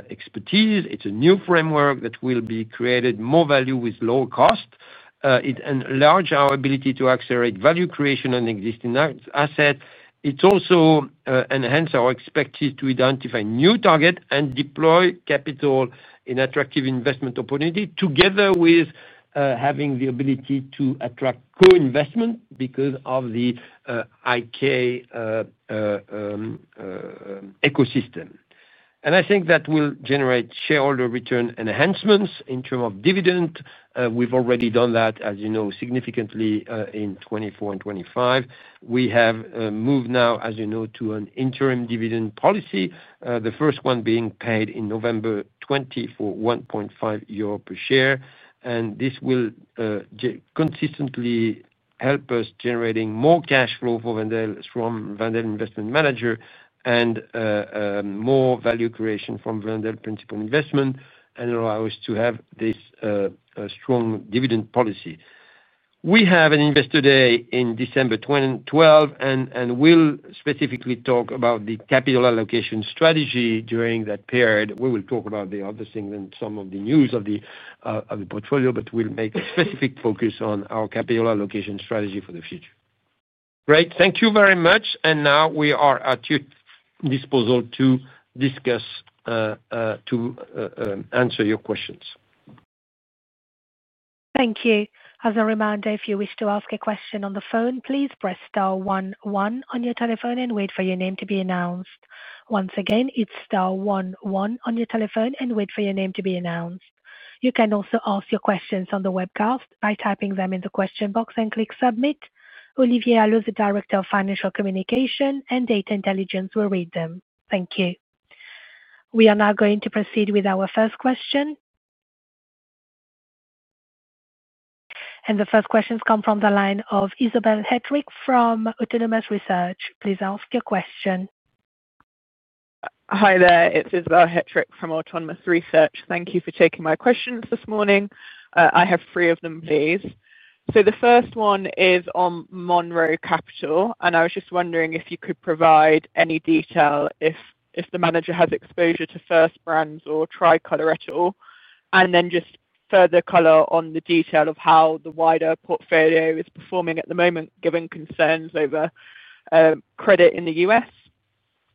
expertise. It's a new framework that will be creating more value with lower cost. It enlarges our ability to accelerate value creation on existing assets. It also enhances our expertise to identify new targets and deploy capital in attractive investment opportunities, together with having the ability to attract co-investment because of the IK ecosystem. I think that will generate shareholder return enhancements in terms of dividends. We have already done that, as you know, significantly in 2024 and 2025. We have moved now, as you know, to an interim dividend policy, the first one being paid in November 2020 for 1.5 euro per share. This will consistently help us generate more cash flow for Wendel from Wendel Investment Manager and more value creation from Wendel Principal Investment and allow us to have this strong dividend policy. We have an investor day in December 2022, and we'll specifically talk about the capital allocation strategy during that period. We will talk about the other things and some of the news of the portfolio, but we'll make a specific focus on our capital allocation strategy for the future. Great. Thank you very much. We are at your disposal to discuss, to answer your questions. Thank you. As a reminder, if you wish to ask a question on the phone, please press star 11 on your telephone and wait for your name to be announced. Once again, it's star 11 on your telephone and wait for your name to be announced. You can also ask your questions on the webcast by typing them in the question box and clicking submit. Olivier Allot, the Director of Financial Communication and Data Intelligence, will read them. Thank you. We are now going to proceed with our first question. The first questions come from the line of Isabelle Hetrick from Autonomous Research. Please ask your question. Hi there. It's Isabelle Hetrick from Autonomous Research. Thank you for taking my questions this morning. I have three of them, please. The first one is on Monroe Capital. I was just wondering if you could provide any detail if the manager has exposure to First Brands or Tricolor at all, and then just further color on the detail of how the wider portfolio is performing at the moment, given concerns over credit in the U.S.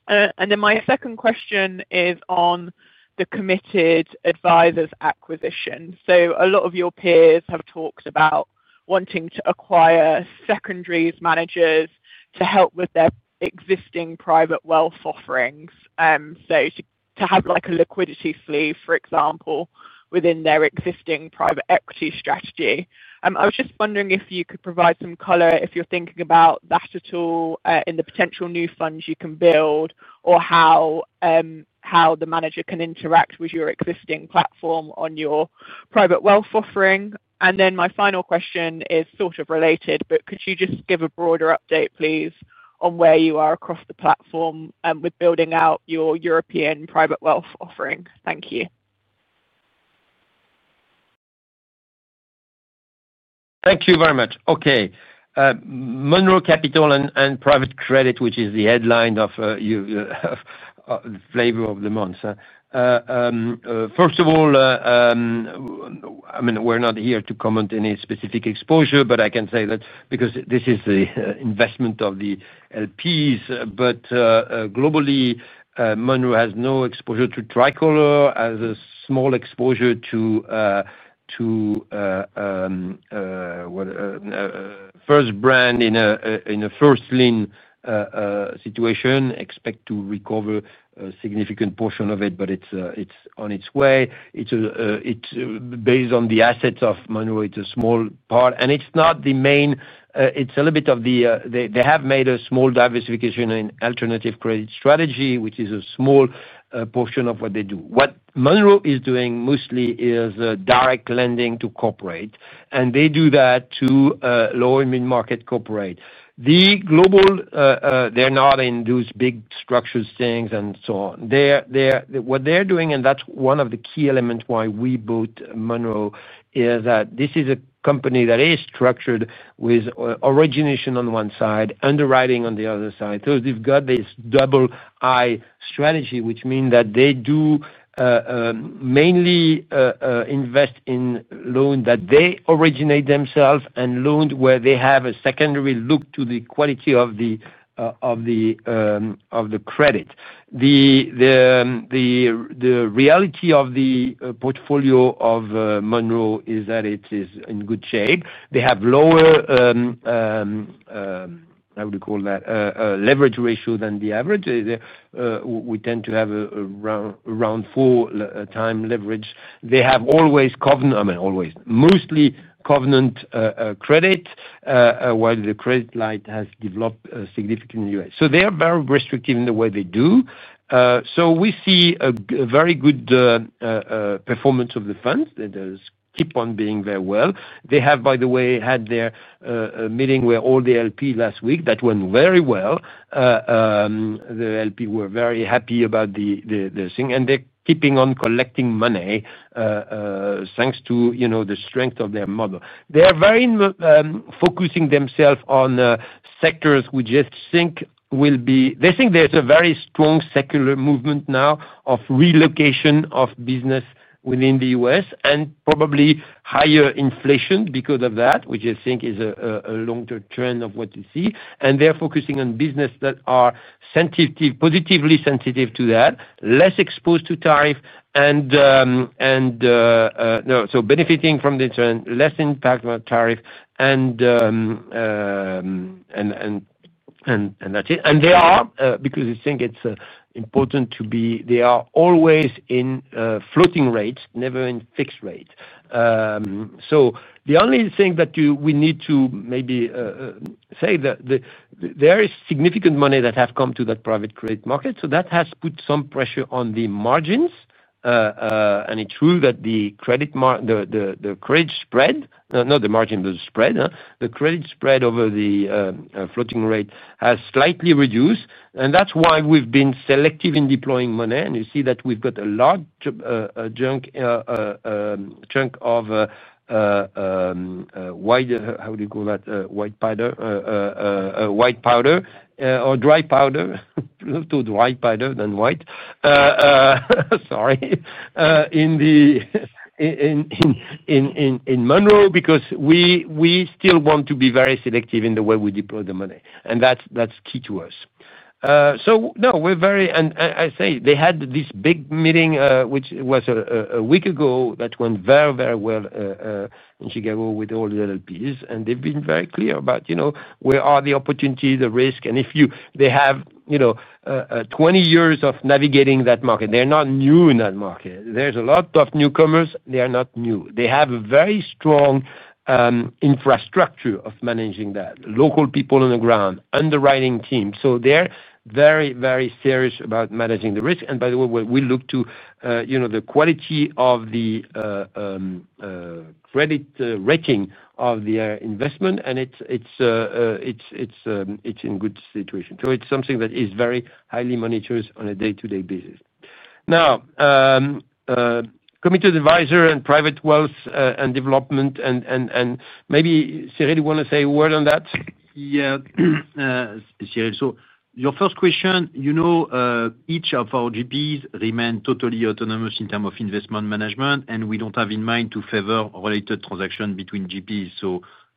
My second question is on the Committed Advisors acquisition. A lot of your peers have talked about wanting to acquire secondaries managers to help with their existing private wealth offerings, to have like a liquidity sleeve, for example, within their existing private equity strategy. I was just wondering if you could provide some color if you're thinking about that at all in the potential new funds you can build or how the manager can interact with your existing platform on your private wealth offering. My final question is sort of related, but could you just give a broader update, please, on where you are across the platform with building out your European private wealth offering? Thank you. Thank you very much. Okay. Monroe Capital and private credit, which is the headline of the flavor of the month. First of all, we're not here to comment on any specific exposure, but I can say that because this is the investment of the LPs. Globally, Monroe has no exposure to Tricolor. It has a small exposure to First Brand in a first lien situation. Expect to recover a significant portion of it, but it's on its way. It's based on the assets of Monroe. It's a small part. It's not the main. It's a little bit of the, they have made a small diversification in alternative credit strategy, which is a small portion of what they do. What Monroe is doing mostly is direct lending to corporate. They do that to low and mid-market corporate. Globally, they're not in those big structured things and so on. What they're doing, and that's one of the key elements why we bought Monroe, is that this is a company that is structured with origination on one side, underwriting on the other side. They've got this double-I strategy, which means that they do mainly invest in loans that they originate themselves and loans where they have a secondary look to the quality of the credit. The reality of the portfolio of Monroe is that it is in good shape. They have lower, how would you call that, leverage ratio than the average. We tend to have around four-time leverage. They have always, I mean, always, mostly covenant credit, while the credit line has developed significantly. They are very restrictive in the way they do. We see a very good performance of the funds that keep on being very well. They have, by the way, had their meeting with all the LPs last week. That went very well. The LPs were very happy about the thing. They're keeping on collecting money thanks to the strength of their model. They are very focusing themselves on sectors which they think will be, they think there's a very strong secular movement now of relocation of business within the U.S. and probably higher inflation because of that, which I think is a long-term trend of what you see. They're focusing on businesses that are positively sensitive to that, less exposed to tariff, and so benefiting from the less impact of tariff. That's it. They are, because they think it's important to be, they are always in floating rates, never in fixed rates. The only thing that we need to maybe say is that there is significant money that has come to that private credit market. That has put some pressure on the margins. It's true that the credit spread, not the margin, but the spread, the credit spread over the floating rate has slightly reduced. That's why we've been selective in deploying money. You see that we've got a large chunk of, how do you call that, dry powder, more dry powder than white, sorry, in Monroe because we still want to be very selective in the way we deploy the money. That's key to us. We're very, I say they had this big meeting, which was a week ago, that went very, very well in Chicago with all the LPs. They've been very clear about where are the opportunities, the risk. They have 20 years of navigating that market. They're not new in that market. There's a lot of newcomers. They are not new. They have a very strong infrastructure of managing that, local people on the ground, underwriting teams. They're very, very serious about managing the risk. By the way, we look to the quality of the credit rating of their investment, and it's in good situation. It's something that is very highly monitored on a day-to-day basis. Now, Committed Advisors and private wealth and development, and maybe Cyril wants to say a word on that. Yeah, Cyril. Your first question, you know, each of our GPs remains totally autonomous in terms of investment management. We don't have in mind to favor related transactions between GPs.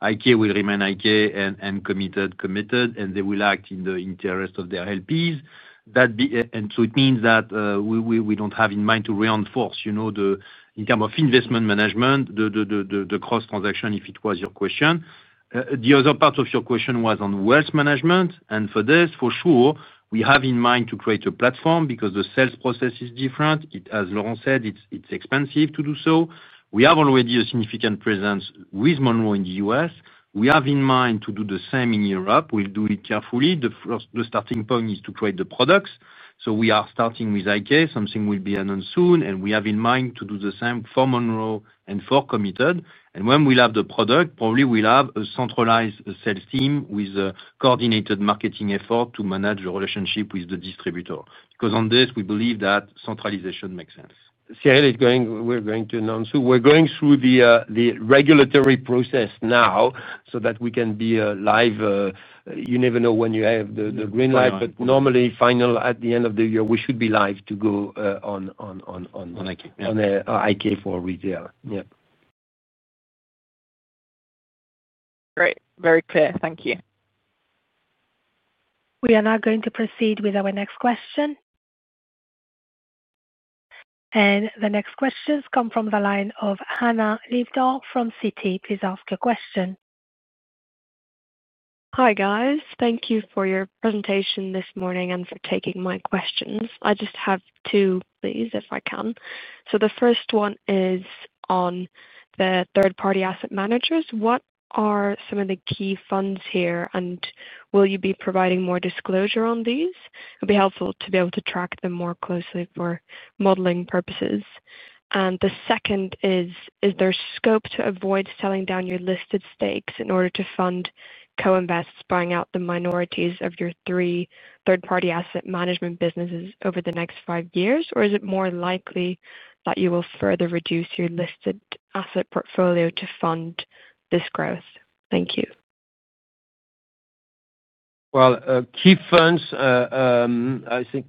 IK will remain IK and Committed, and they will act in the interest of their LPs. It means that we don't have in mind to reinforce, you know, in terms of investment management, the cross-transaction, if it was your question. The other part of your question was on wealth management. For this, for sure, we have in mind to create a platform because the sales process is different. As Laurent said, it's expensive to do so. We have already a significant presence with Monroe in the U.S. We have in mind to do the same in Europe. We'll do it carefully. The starting point is to create the products. We are starting with IK. Something will be announced soon. We have in mind to do the same for Monroe and for Committed. When we'll have the product, probably we'll have a centralized sales team with a coordinated marketing effort to manage the relationship with the distributor because on this, we believe that centralization makes sense. Cyril, we're going to announce who we're going through the regulatory process now so that we can be live. You never know when you have the green light, but normally, final at the end of the year, we should be live to go on IK for retail. Yeah. Great. Very clear. Thank you. We are now going to proceed with our next question. The next questions come from the line of Hannah Leavedor from Citi. Please ask your question. Hi, guys. Thank you for your presentation this morning and for taking my questions. I just have two, please, if I can. The first one is on the third-party asset managers. What are some of the key funds here? Will you be providing more disclosure on these? It would be helpful to be able to track them more closely for modeling purposes. The second is, is there scope to avoid selling down your listed stakes in order to fund co-invests buying out the minorities of your three third-party asset management businesses over the next five years? Is it more likely that you will further reduce your listed asset portfolio to fund this growth? Thank you. Key funds, I think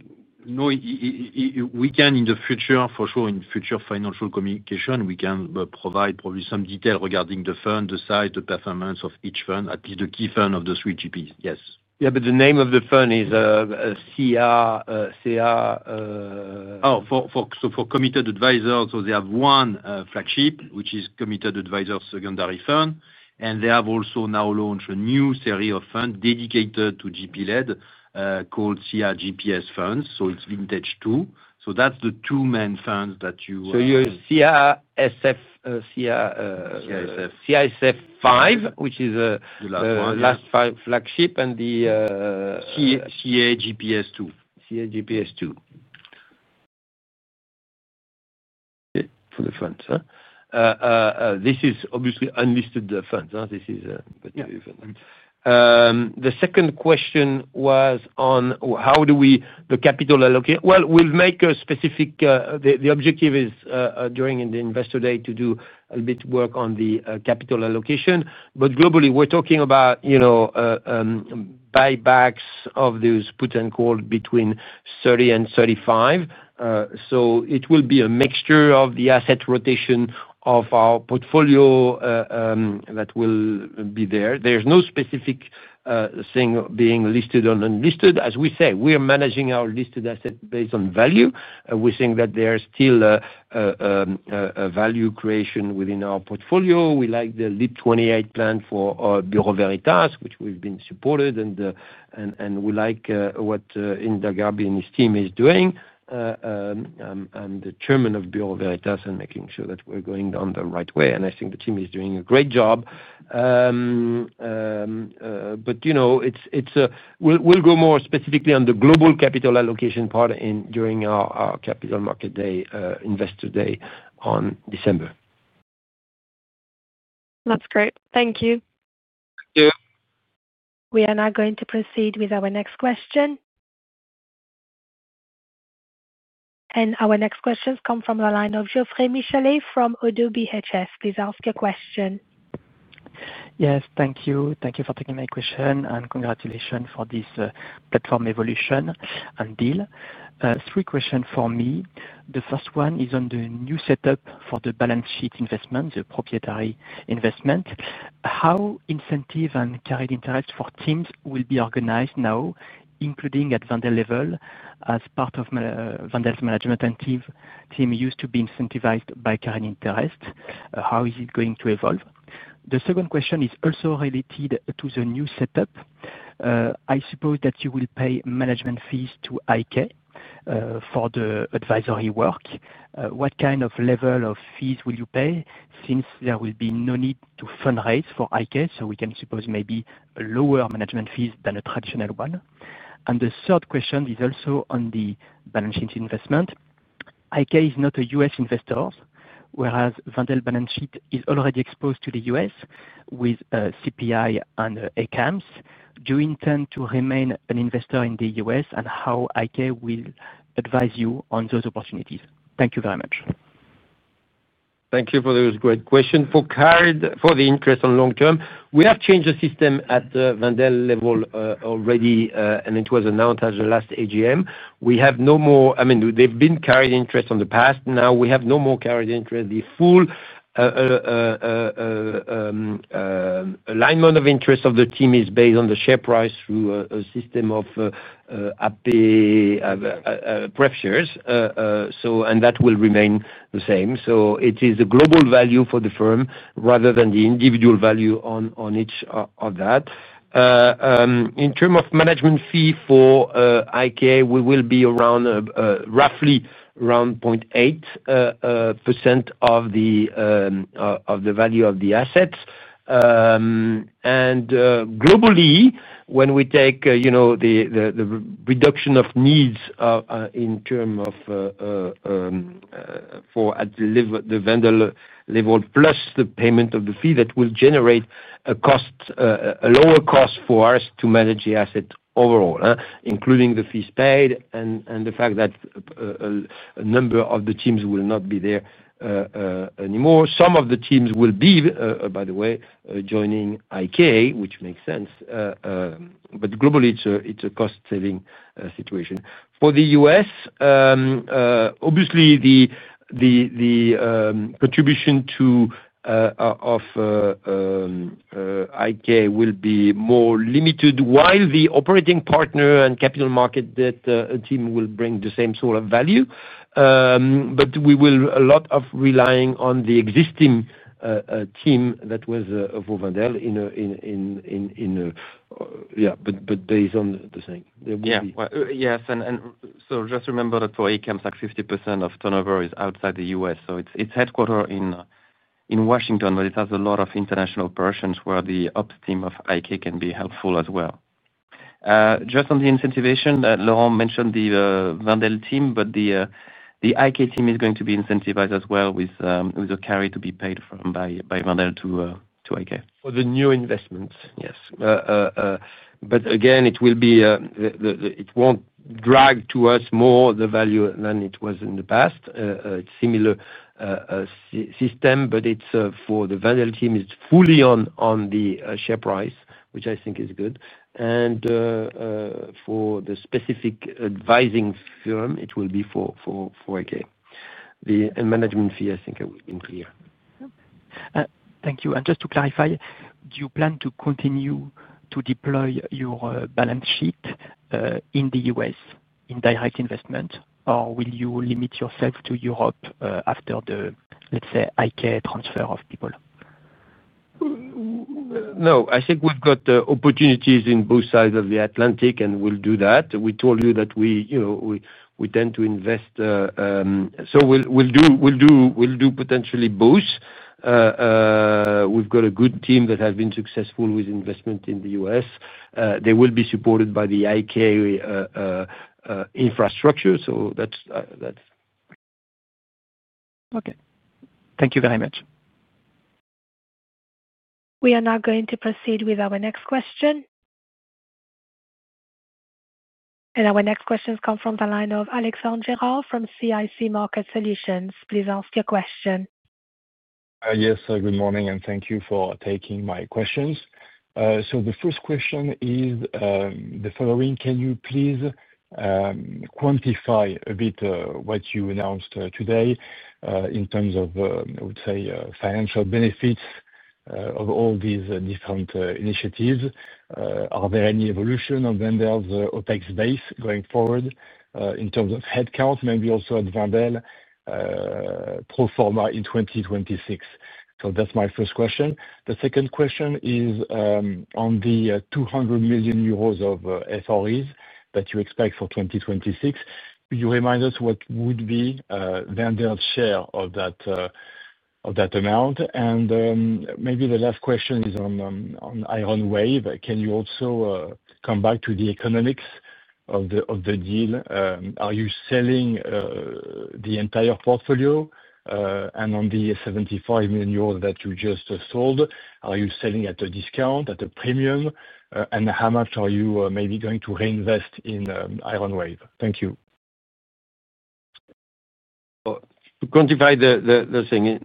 we can in the future, for sure, in future financial communication, we can provide probably some detail regarding the fund, the size, the performance of each fund, at least the key fund of the three GPs. Yes. The name of the fund is CR, for Committed Advisors. They have one flagship, which is Committed Advisors Secondary Fund. They have also now launched a new series of funds dedicated to GP-led called CRGPS funds. It's Vintage 2. That's the two main funds that you. Are you CRSF? CRSF 5, which is the last five flagship and the. CAGPS 2. CAGPS 2. Okay, for the funds. This is obviously unlisted funds. The second question was on how do we the capital allocate? The objective is during the investor day to do a little bit of work on the capital allocation. Globally, we're talking about buybacks of those put and call between 30 and 35. It will be a mixture of the asset rotation of our portfolio that will be there. There's no specific thing being listed or unlisted. As we say, we are managing our listed assets based on value. We think that there's still a value creation within our portfolio. We like the LIP28 plan for Bureau Veritas, which we've been supporting. We like what Binny's team is doing. I'm the Chairman of Bureau Veritas and making sure that we're going down the right way. I think the team is doing a great job. We'll go more specifically on the global capital allocation part during our capital market day, investor day on December. That's great. Thank you. Thank you. We are now going to proceed with our next question. Our next questions come from the line of Geoffroy Michalet from HSBC. Please ask your question. Yes. Thank you. Thank you for taking my question and congratulations for this platform evolution and deal. Three questions for me. The first one is on the new setup for the balance sheet investments, the proprietary investment. How incentive and carried interest for teams will be organized now, including at Wendel level, as part of Wendel's management and team used to be incentivized by carried interest? How is it going to evolve? The second question is also related to the new setup. I suppose that you will pay management fees to IK for the advisory work. What kind of level of fees will you pay since there will be no need to fundraise for IK? We can suppose maybe lower management fees than a traditional one. The third question is also on the balance sheet investment. IK is not a U.S. investor, whereas Wendel's balance sheet is already exposed to the U.S. with CPI and ACAMS. Do you intend to remain an investor in the U.S. and how IK will advise you on those opportunities? Thank you very much. Thank you for those great questions. For carried, for the interest on long term, we have changed the system at the Wendel level already, and it was announced at the last AGM. We have no more, I mean, there has been carried interest in the past. Now we have no more carried interest. The full alignment of interest of the team is based on the share price through a system of prep shares, and that will remain the same. It is a global value for the firm rather than the individual value on each of that. In terms of management fee for IK, we will be roughly around 0.8% of the value of the assets. Globally, when we take the reduction of needs in terms of at the Wendel level plus the payment of the fee, that will generate a lower cost for us to manage the assets overall, including the fees paid and the fact that a number of the teams will not be there anymore. Some of the teams will be, by the way, joining IK, which makes sense. Globally, it's a cost-saving situation. For the U.S., obviously, the contribution to IK will be more limited while the operating partner and capital market that a team will bring the same sort of value. We will a lot rely on the existing team that was for Wendel. Yeah. Based on the thing, there will be. Yes. Just remember that for ACAMS, like 50% of turnover is outside the U.S. It's headquartered in Washington, but it has a lot of international operations where the ops team of IK can be helpful as well. Just on the incentivation, Laurent mentioned the Wendel team, but the IK team is going to be incentivized as well with a carry to be paid from Wendel to IK. For the new investments, yes. Again, it won't drag to us more the value than it was in the past. It's a similar system, but for the Wendel team, it's fully on the share price, which I think is good. For the specific advising firm, it will be for IK. The management fee, I think, has been clear. Thank you. Just to clarify, do you plan to continue to deploy your balance sheet in the U.S. in direct investment, or will you limit yourself to Europe after the, let's say, IK transfer of people? No. I think we've got opportunities in both sides of the Atlantic, and we'll do that. We told you that we tend to invest, so we'll do potentially both. We've got a good team that has been successful with investment in the U.S. They will be supported by the IK infrastructure. That's it. Okay, thank you very much. We are now going to proceed with our next question. Our next questions come from the line of Alexandre Gerard from CIC Market Solutions. Please ask your question. Yes. Good morning, and thank you for taking my questions. The first question is the following: can you please quantify a bit what you announced today in terms of, I would say, financial benefits of all these different initiatives? Are there any evolution of Wendel's OpEx base going forward in terms of headcount, maybe also at Wendel pro forma in 2026? That's my first question. The second question is on the 200 million euros of SREs that you expect for 2026. Could you remind us what would be Wendel's share of that amount? Maybe the last question is on IronWave. Can you also come back to the economics of the deal? Are you selling the entire portfolio? On the 75 million euros that you just sold, are you selling at a discount, at a premium? How much are you maybe going to reinvest in IronWave? Thank you. To quantify the thing,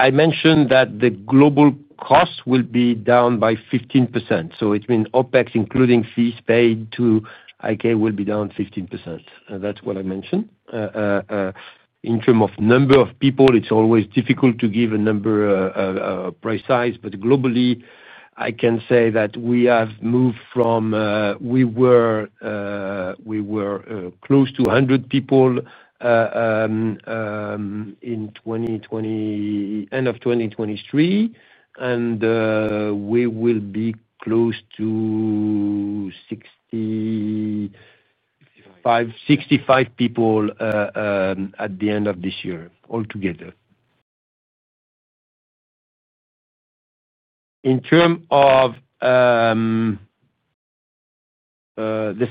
I mentioned that the global cost will be down by 15%. It means OpEx, including fees paid to IK, will be down 15%. That's what I mentioned. In terms of number of people, it's always difficult to give a precise number. Globally, I can say that we have moved from we were close to 100 people at the end of 2023, and we will be close to 65 people at the end of this year altogether. In terms of the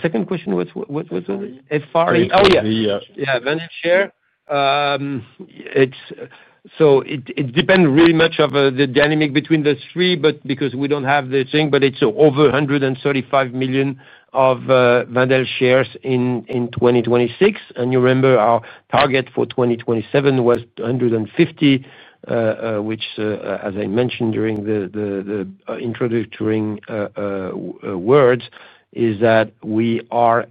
second question, what was it? FRE? FRE. Oh, yeah. Yeah. Yeah. Wendel share. It depends really much on the dynamic between those three, because we don't have the thing, but it's over 135 million of Wendel shares in 2026. You remember our target for 2027 was 150 million, which, as I mentioned during the introductory words, is that we are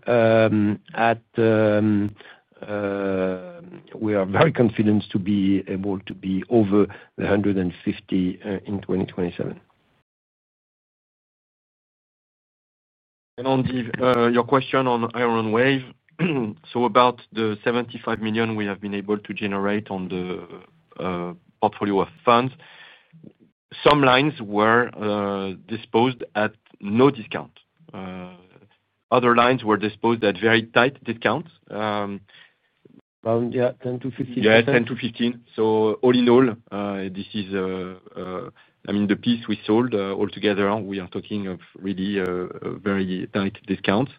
very confident to be able to be over the 150 million in 2027. Regarding your question on IronWave, about the 75 million we have been able to generate on the portfolio of funds, some lines were disposed at no discount, while other lines were disposed at very tight discounts. Around, yeah, 10-15. Yeah, 10-15. All in all, the piece we sold altogether, we are talking of really very tight discounts.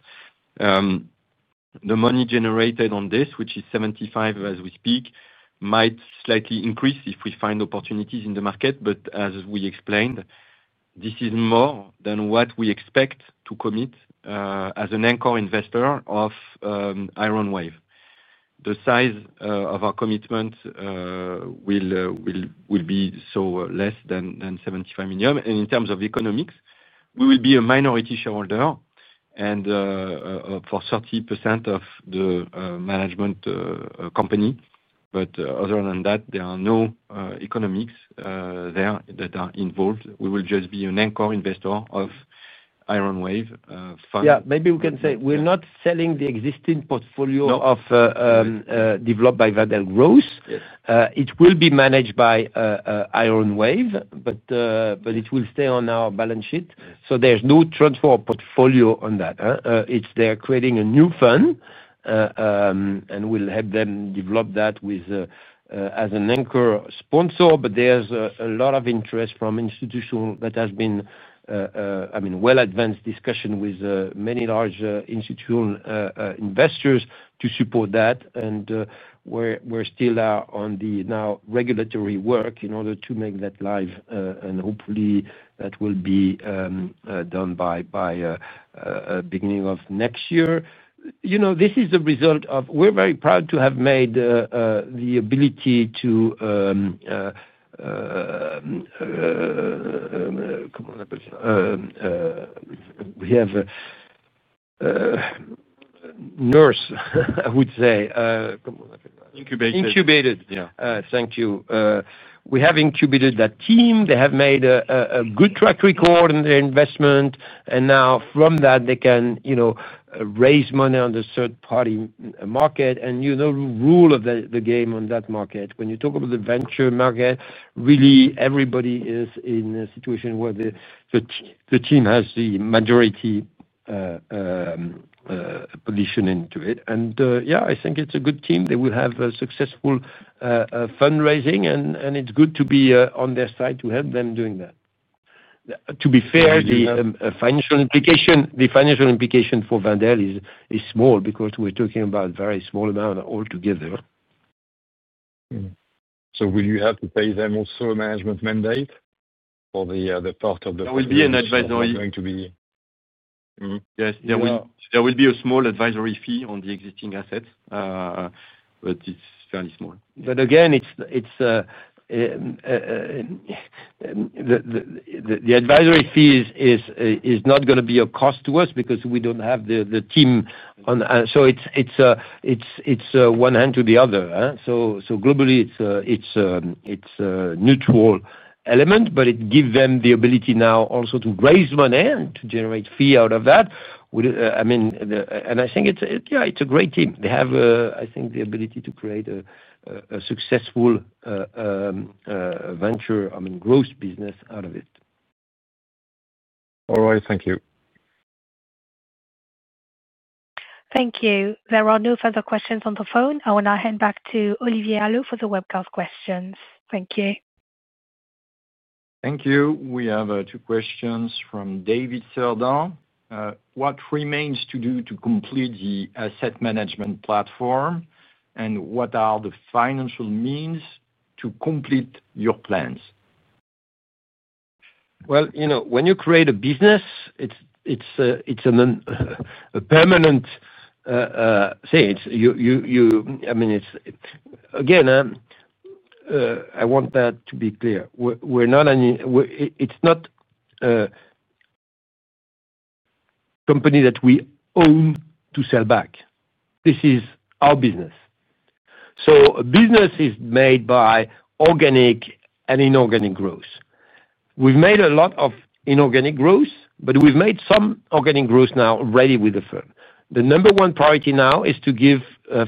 The money generated on this, which is 75 million as we speak, might slightly increase if we find opportunities in the market. As we explained, this is more than what we expect to commit as an anchor investor of IronWave. The size of our commitment will be less than 75 million. In terms of economics, we will be a minority shareholder for 30% of the management company. Other than that, there are no economics there that are involved. We will just be an anchor investor of the IronWave fund. Yeah. Maybe we can say we're not selling the existing portfolio developed by Wendel Growth. It will be managed by IronWave, but it will stay on our balance sheet. There's no transfer of portfolio on that. They are creating a new fund, and we'll help them develop that as an anchor sponsor. There's a lot of interest from institutional that has been, I mean, well-advanced discussion with many large institutional investors to support that. We're Still on the now regulatory work in order to make that live, and hopefully, that will be done by the beginning of next year. This is the result of we're very proud to have made the ability to, we have nurse, I would say. Incubated. Incubated. Thank you. We have incubated that team. They have made a good track record in their investment. From that, they can raise money on the third-party market and, you know, rule of the game on that market. When you talk about the venture market, really, everybody is in a situation where the team has the majority position into it. I think it's a good team. They will have a successful fundraising, and it's good to be on their side to help them doing that. To be fair, the financial implication for Wendel is small because we're talking about a very small amount altogether. Will you have to pay them also a management mandate for the part of the fundraising that's going to be? There will be a small advisory fee on the existing assets, but it's fairly small. The advisory fee is not going to be a cost to us because we don't have the team on. It's one hand to the other. Globally, it's a neutral element, but it gives them the ability now also to raise money and to generate fee out of that. I think it's a great team. They have, I think, the ability to create a successful venture, I mean, gross business out of it. All right. Thank you. Thank you. There are no further questions on the phone. I will now hand back to Olivier Allot for the webcast questions. Thank you. Thank you. We have two questions from David Cerdan. What remains to do to complete the asset management platform, and what are the financial means to complete your plans? You know, when you create a business, it's a permanent thing. I mean, again, I want that to be clear. It's not a company that we own to sell back. This is our business. Business is made by organic and inorganic growth. We've made a lot of inorganic growth, but we've made some organic growth now already with the firm. The number one priority now is to give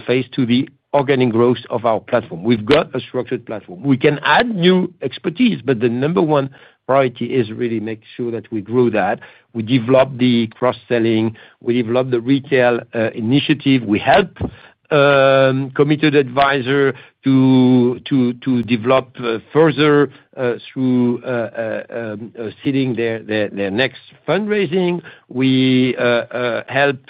face to the organic growth of our platform. We've got a structured platform. We can add new expertise, but the number one priority is really make sure that we grow that. We develop the cross-selling. We develop the retail initiative. We help Committed Advisors to develop further through seeding their next fundraising. We help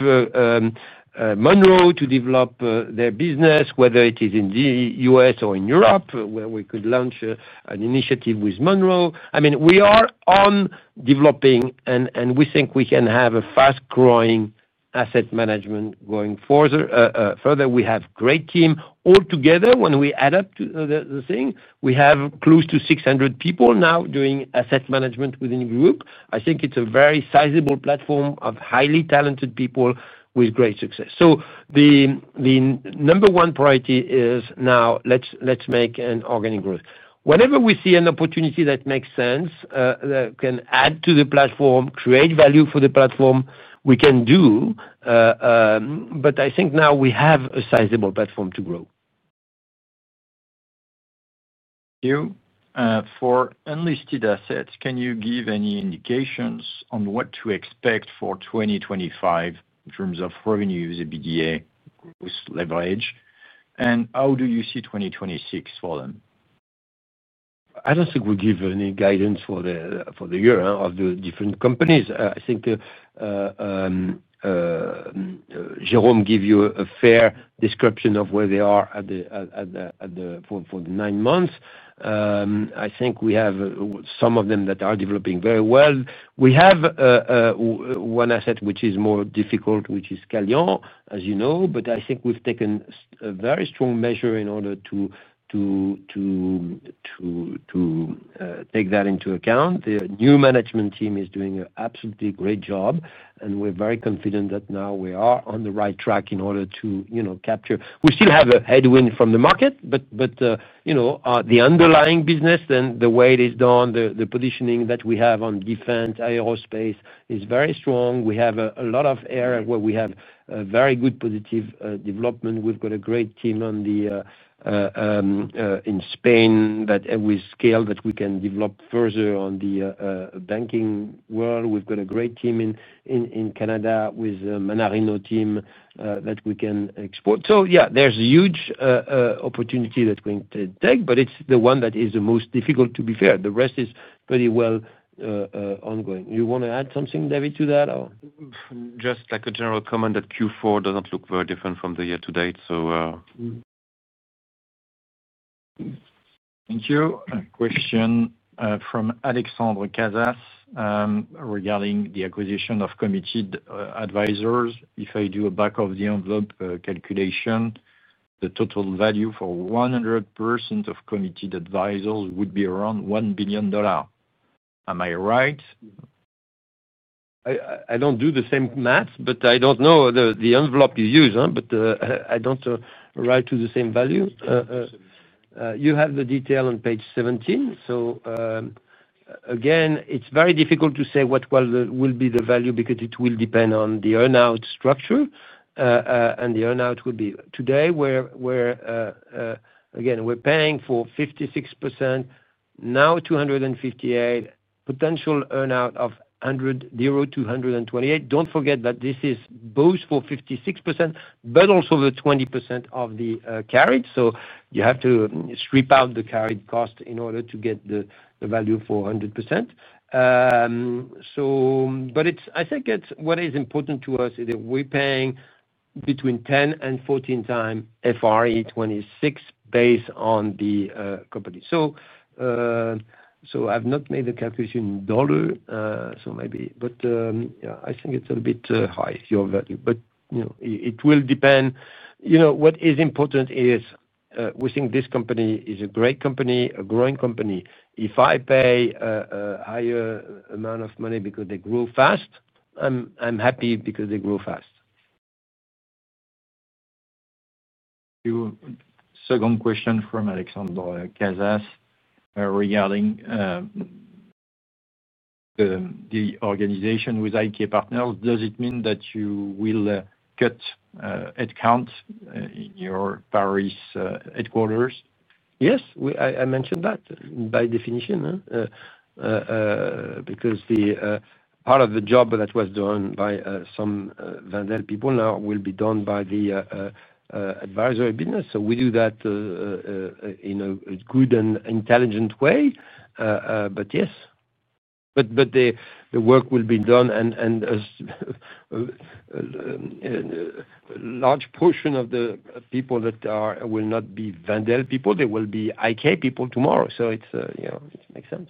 Monroe to develop their business, whether it is in the U.S. or in Europe, where we could launch an initiative with Monroe. I mean, we are on developing, and we think we can have a fast-growing asset management going further. We have a great team. Altogether, when we add up to the thing, we have close to 600 people now doing asset management within the group. I think it's a very sizable platform of highly talented people with great success. The number one priority is now let's make an organic growth. Whenever we see an opportunity that makes sense, that can add to the platform, create value for the platform, we can do. I think now we have a sizable platform to grow. Thank you. For unlisted assets, can you give any indications on what to expect for 2025 in terms of revenues, EBITDA, gross leverage, and how do you see 2026 for them? I don't think we give any guidance for the year of the different companies. I think Jérôme gave you a fair description of where they are at for the nine months. I think we have some of them that are developing very well. We have one asset which is more difficult, which is Scallion, as you know, but I think we've taken a very strong measure in order to take that into account. The new management team is doing an absolutely great job, and we're very confident that now we are on the right track in order to, you know, capture. We still have a headwind from the market, but, you know, the underlying business and the way it is done, the positioning that we have on defense, aerospace is very strong. We have a lot of area where we have a very good positive development. We've got a great team in Spain that we scale that we can develop further on the banking world. We've got a great team in Canada with the Manarino team that we can export. Yeah, there's a huge opportunity that's going to take, but it's the one that is the most difficult, to be fair. The rest is pretty well ongoing. You want to add something, David, to that? Just a general comment that Q4 doesn't look very different from the year-to-date. Thank you. Question from Alexandre Gerard regarding the acquisition of Committed Advisors. If I do a back of the envelope calculation, the total value for 100% of Committed Advisors would be around EUR 1 billion. Am I right? I don't do the same math, but I don't know. The envelope is used, but I don't write to the same value. You have the detail on page 17. It's very difficult to say what will be the value because it will depend on the earnout structure. The earnout will be today, where we're paying for 56%, now 258 million, potential earnout of 100 million euro, 0-128 million. Don't forget that this is both for 56%, but also the 20% of the carried. You have to strip out the carried cost in order to get the value for 100%. I think what is important to us is that we're paying between 10x and 14x FRE 26 based on the company. I've not made the calculation in dollars, so maybe, but I think it's a little bit high, your value. It will depend. What is important is we think this company is a great company, a growing company. If I pay a higher amount of money because they grow fast, I'm happy because they grow fast. Second question from Alexandre Gerard regarding the organization with IK Partners. Does it mean that you will cut headcount in your Paris headquarters? Yes, I mentioned that by definition because part of the job that was done by some Wendel people now will be done by the advisory business. We do that in a good and intelligent way. Yes, the work will be done, and a large portion of the people that will not be Wendel people, they will be IK people tomorrow. It makes sense.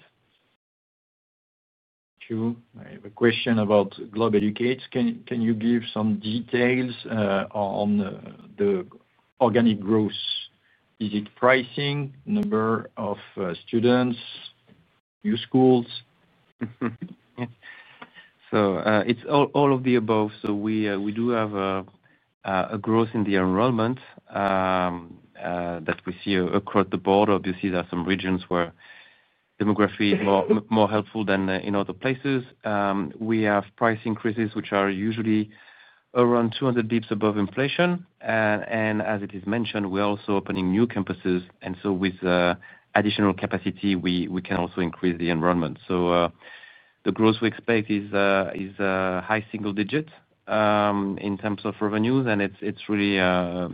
Thank you. I have a question about Globe Educate. Can you give some details on the organic growth? Is it pricing, number of students, new schools? It is all of the above. We do have growth in the enrollment that we see across the board. Obviously, there are some regions where demography is more helpful than in other places. We have price increases, which are usually around 200 bps above inflation. As it is mentioned, we're also opening new campuses. With additional capacity, we can also increase the enrollment. The growth we expect is a high single-digit in terms of revenues, and it's really a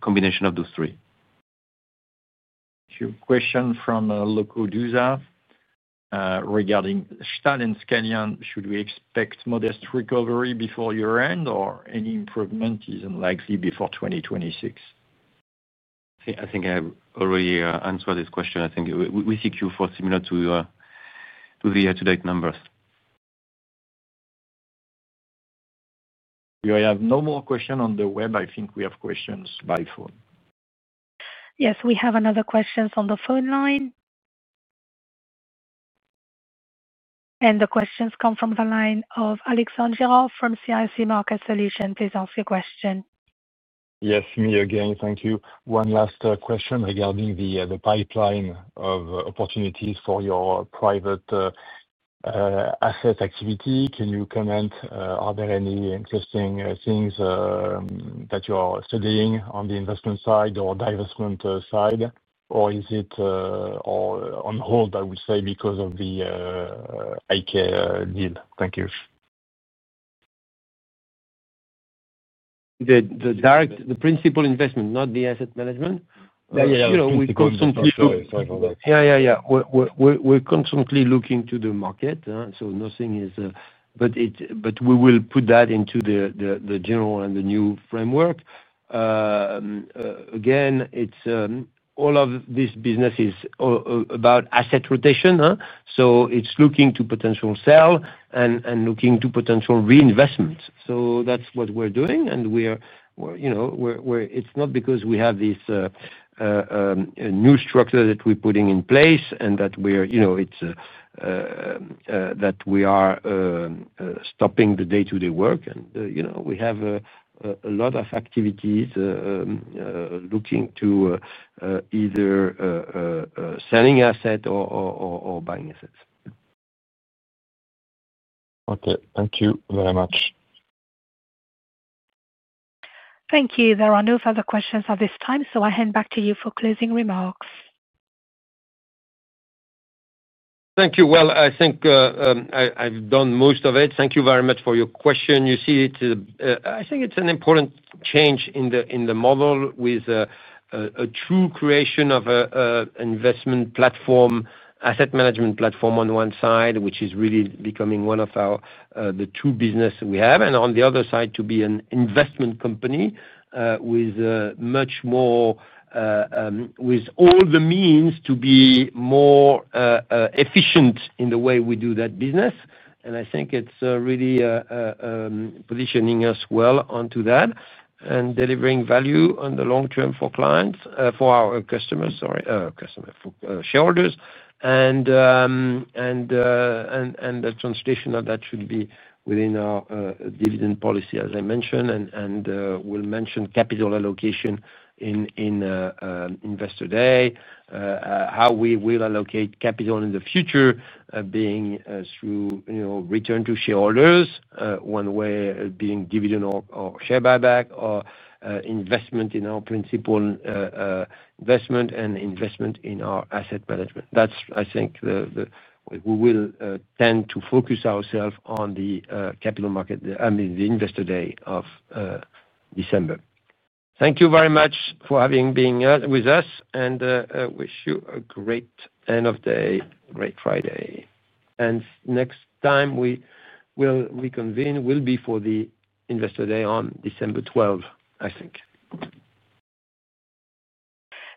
combination of those three. Question from Loko Dusa regarding Scallion. Should we expect modest recovery before year-end, or any improvement is unlikely before 2026? I think I already answered this question. I think we see Q4 similar to the year-to-date numbers. I have no more questions on the web. I think we have questions by phone. Yes, we have another question on the phone line. The questions come from the line of Alexandre Gerard from CIC Market Solutions. Please answer your question. Yes, me again. Thank you. One last question regarding the pipeline of opportunities for your private asset activity. Can you comment? Are there any interesting things that you are studying on the investment side or divestment side, or is it on hold, I would say, because of the IKEA deal? Thank you. The direct, the principal investment, not the asset management. Yeah, yeah, yeah. [crosstak] We constantly. Sorry for that. Yeah, yeah, yeah. We're constantly looking to the market. Nothing is, but we will put that into the general and the new framework. Again, all of this business is about asset rotation. It's looking to potential sell and looking to potential reinvestment. That's what we're doing. You know, it's not because we have this new structure that we're putting in place and that we're, you know, that we are stopping the day-to-day work. You know, we have a lot of activities looking to either selling assets or buying assets. Okay, thank you very much. Thank you. There are no further questions at this time, so I hand back to you for closing remarks. Thank you. I think I've done most of it. Thank you very much for your question. You see, I think it's an important change in the model with a true creation of an investment platform, asset management platform on one side, which is really becoming one of the two businesses we have, and on the other side, to be an investment company with much more, with all the means to be more efficient in the way we do that business. I think it's really positioning us well onto that and delivering value on the long term for clients, for our customers, sorry, customers, for shareholders. The translation of that should be within our dividend policy, as I mentioned. We'll mention capital allocation in Investor Day, how we will allocate capital in the future, being through return to shareholders, one way being dividend or share buyback or investment in our principal investment and investment in our asset management. That's, I think, the way we will tend to focus ourselves on the capital market, I mean, the Investor Day of December. Thank you very much for having been with us, and I wish you a great end of day, great Friday. Next time we will reconvene will be for the Investor Day on December 12th, I think.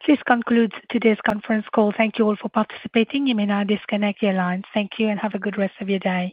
This concludes today's conference call. Thank you all for participating. You may now disconnect your lines. Thank you and have a good rest of your day.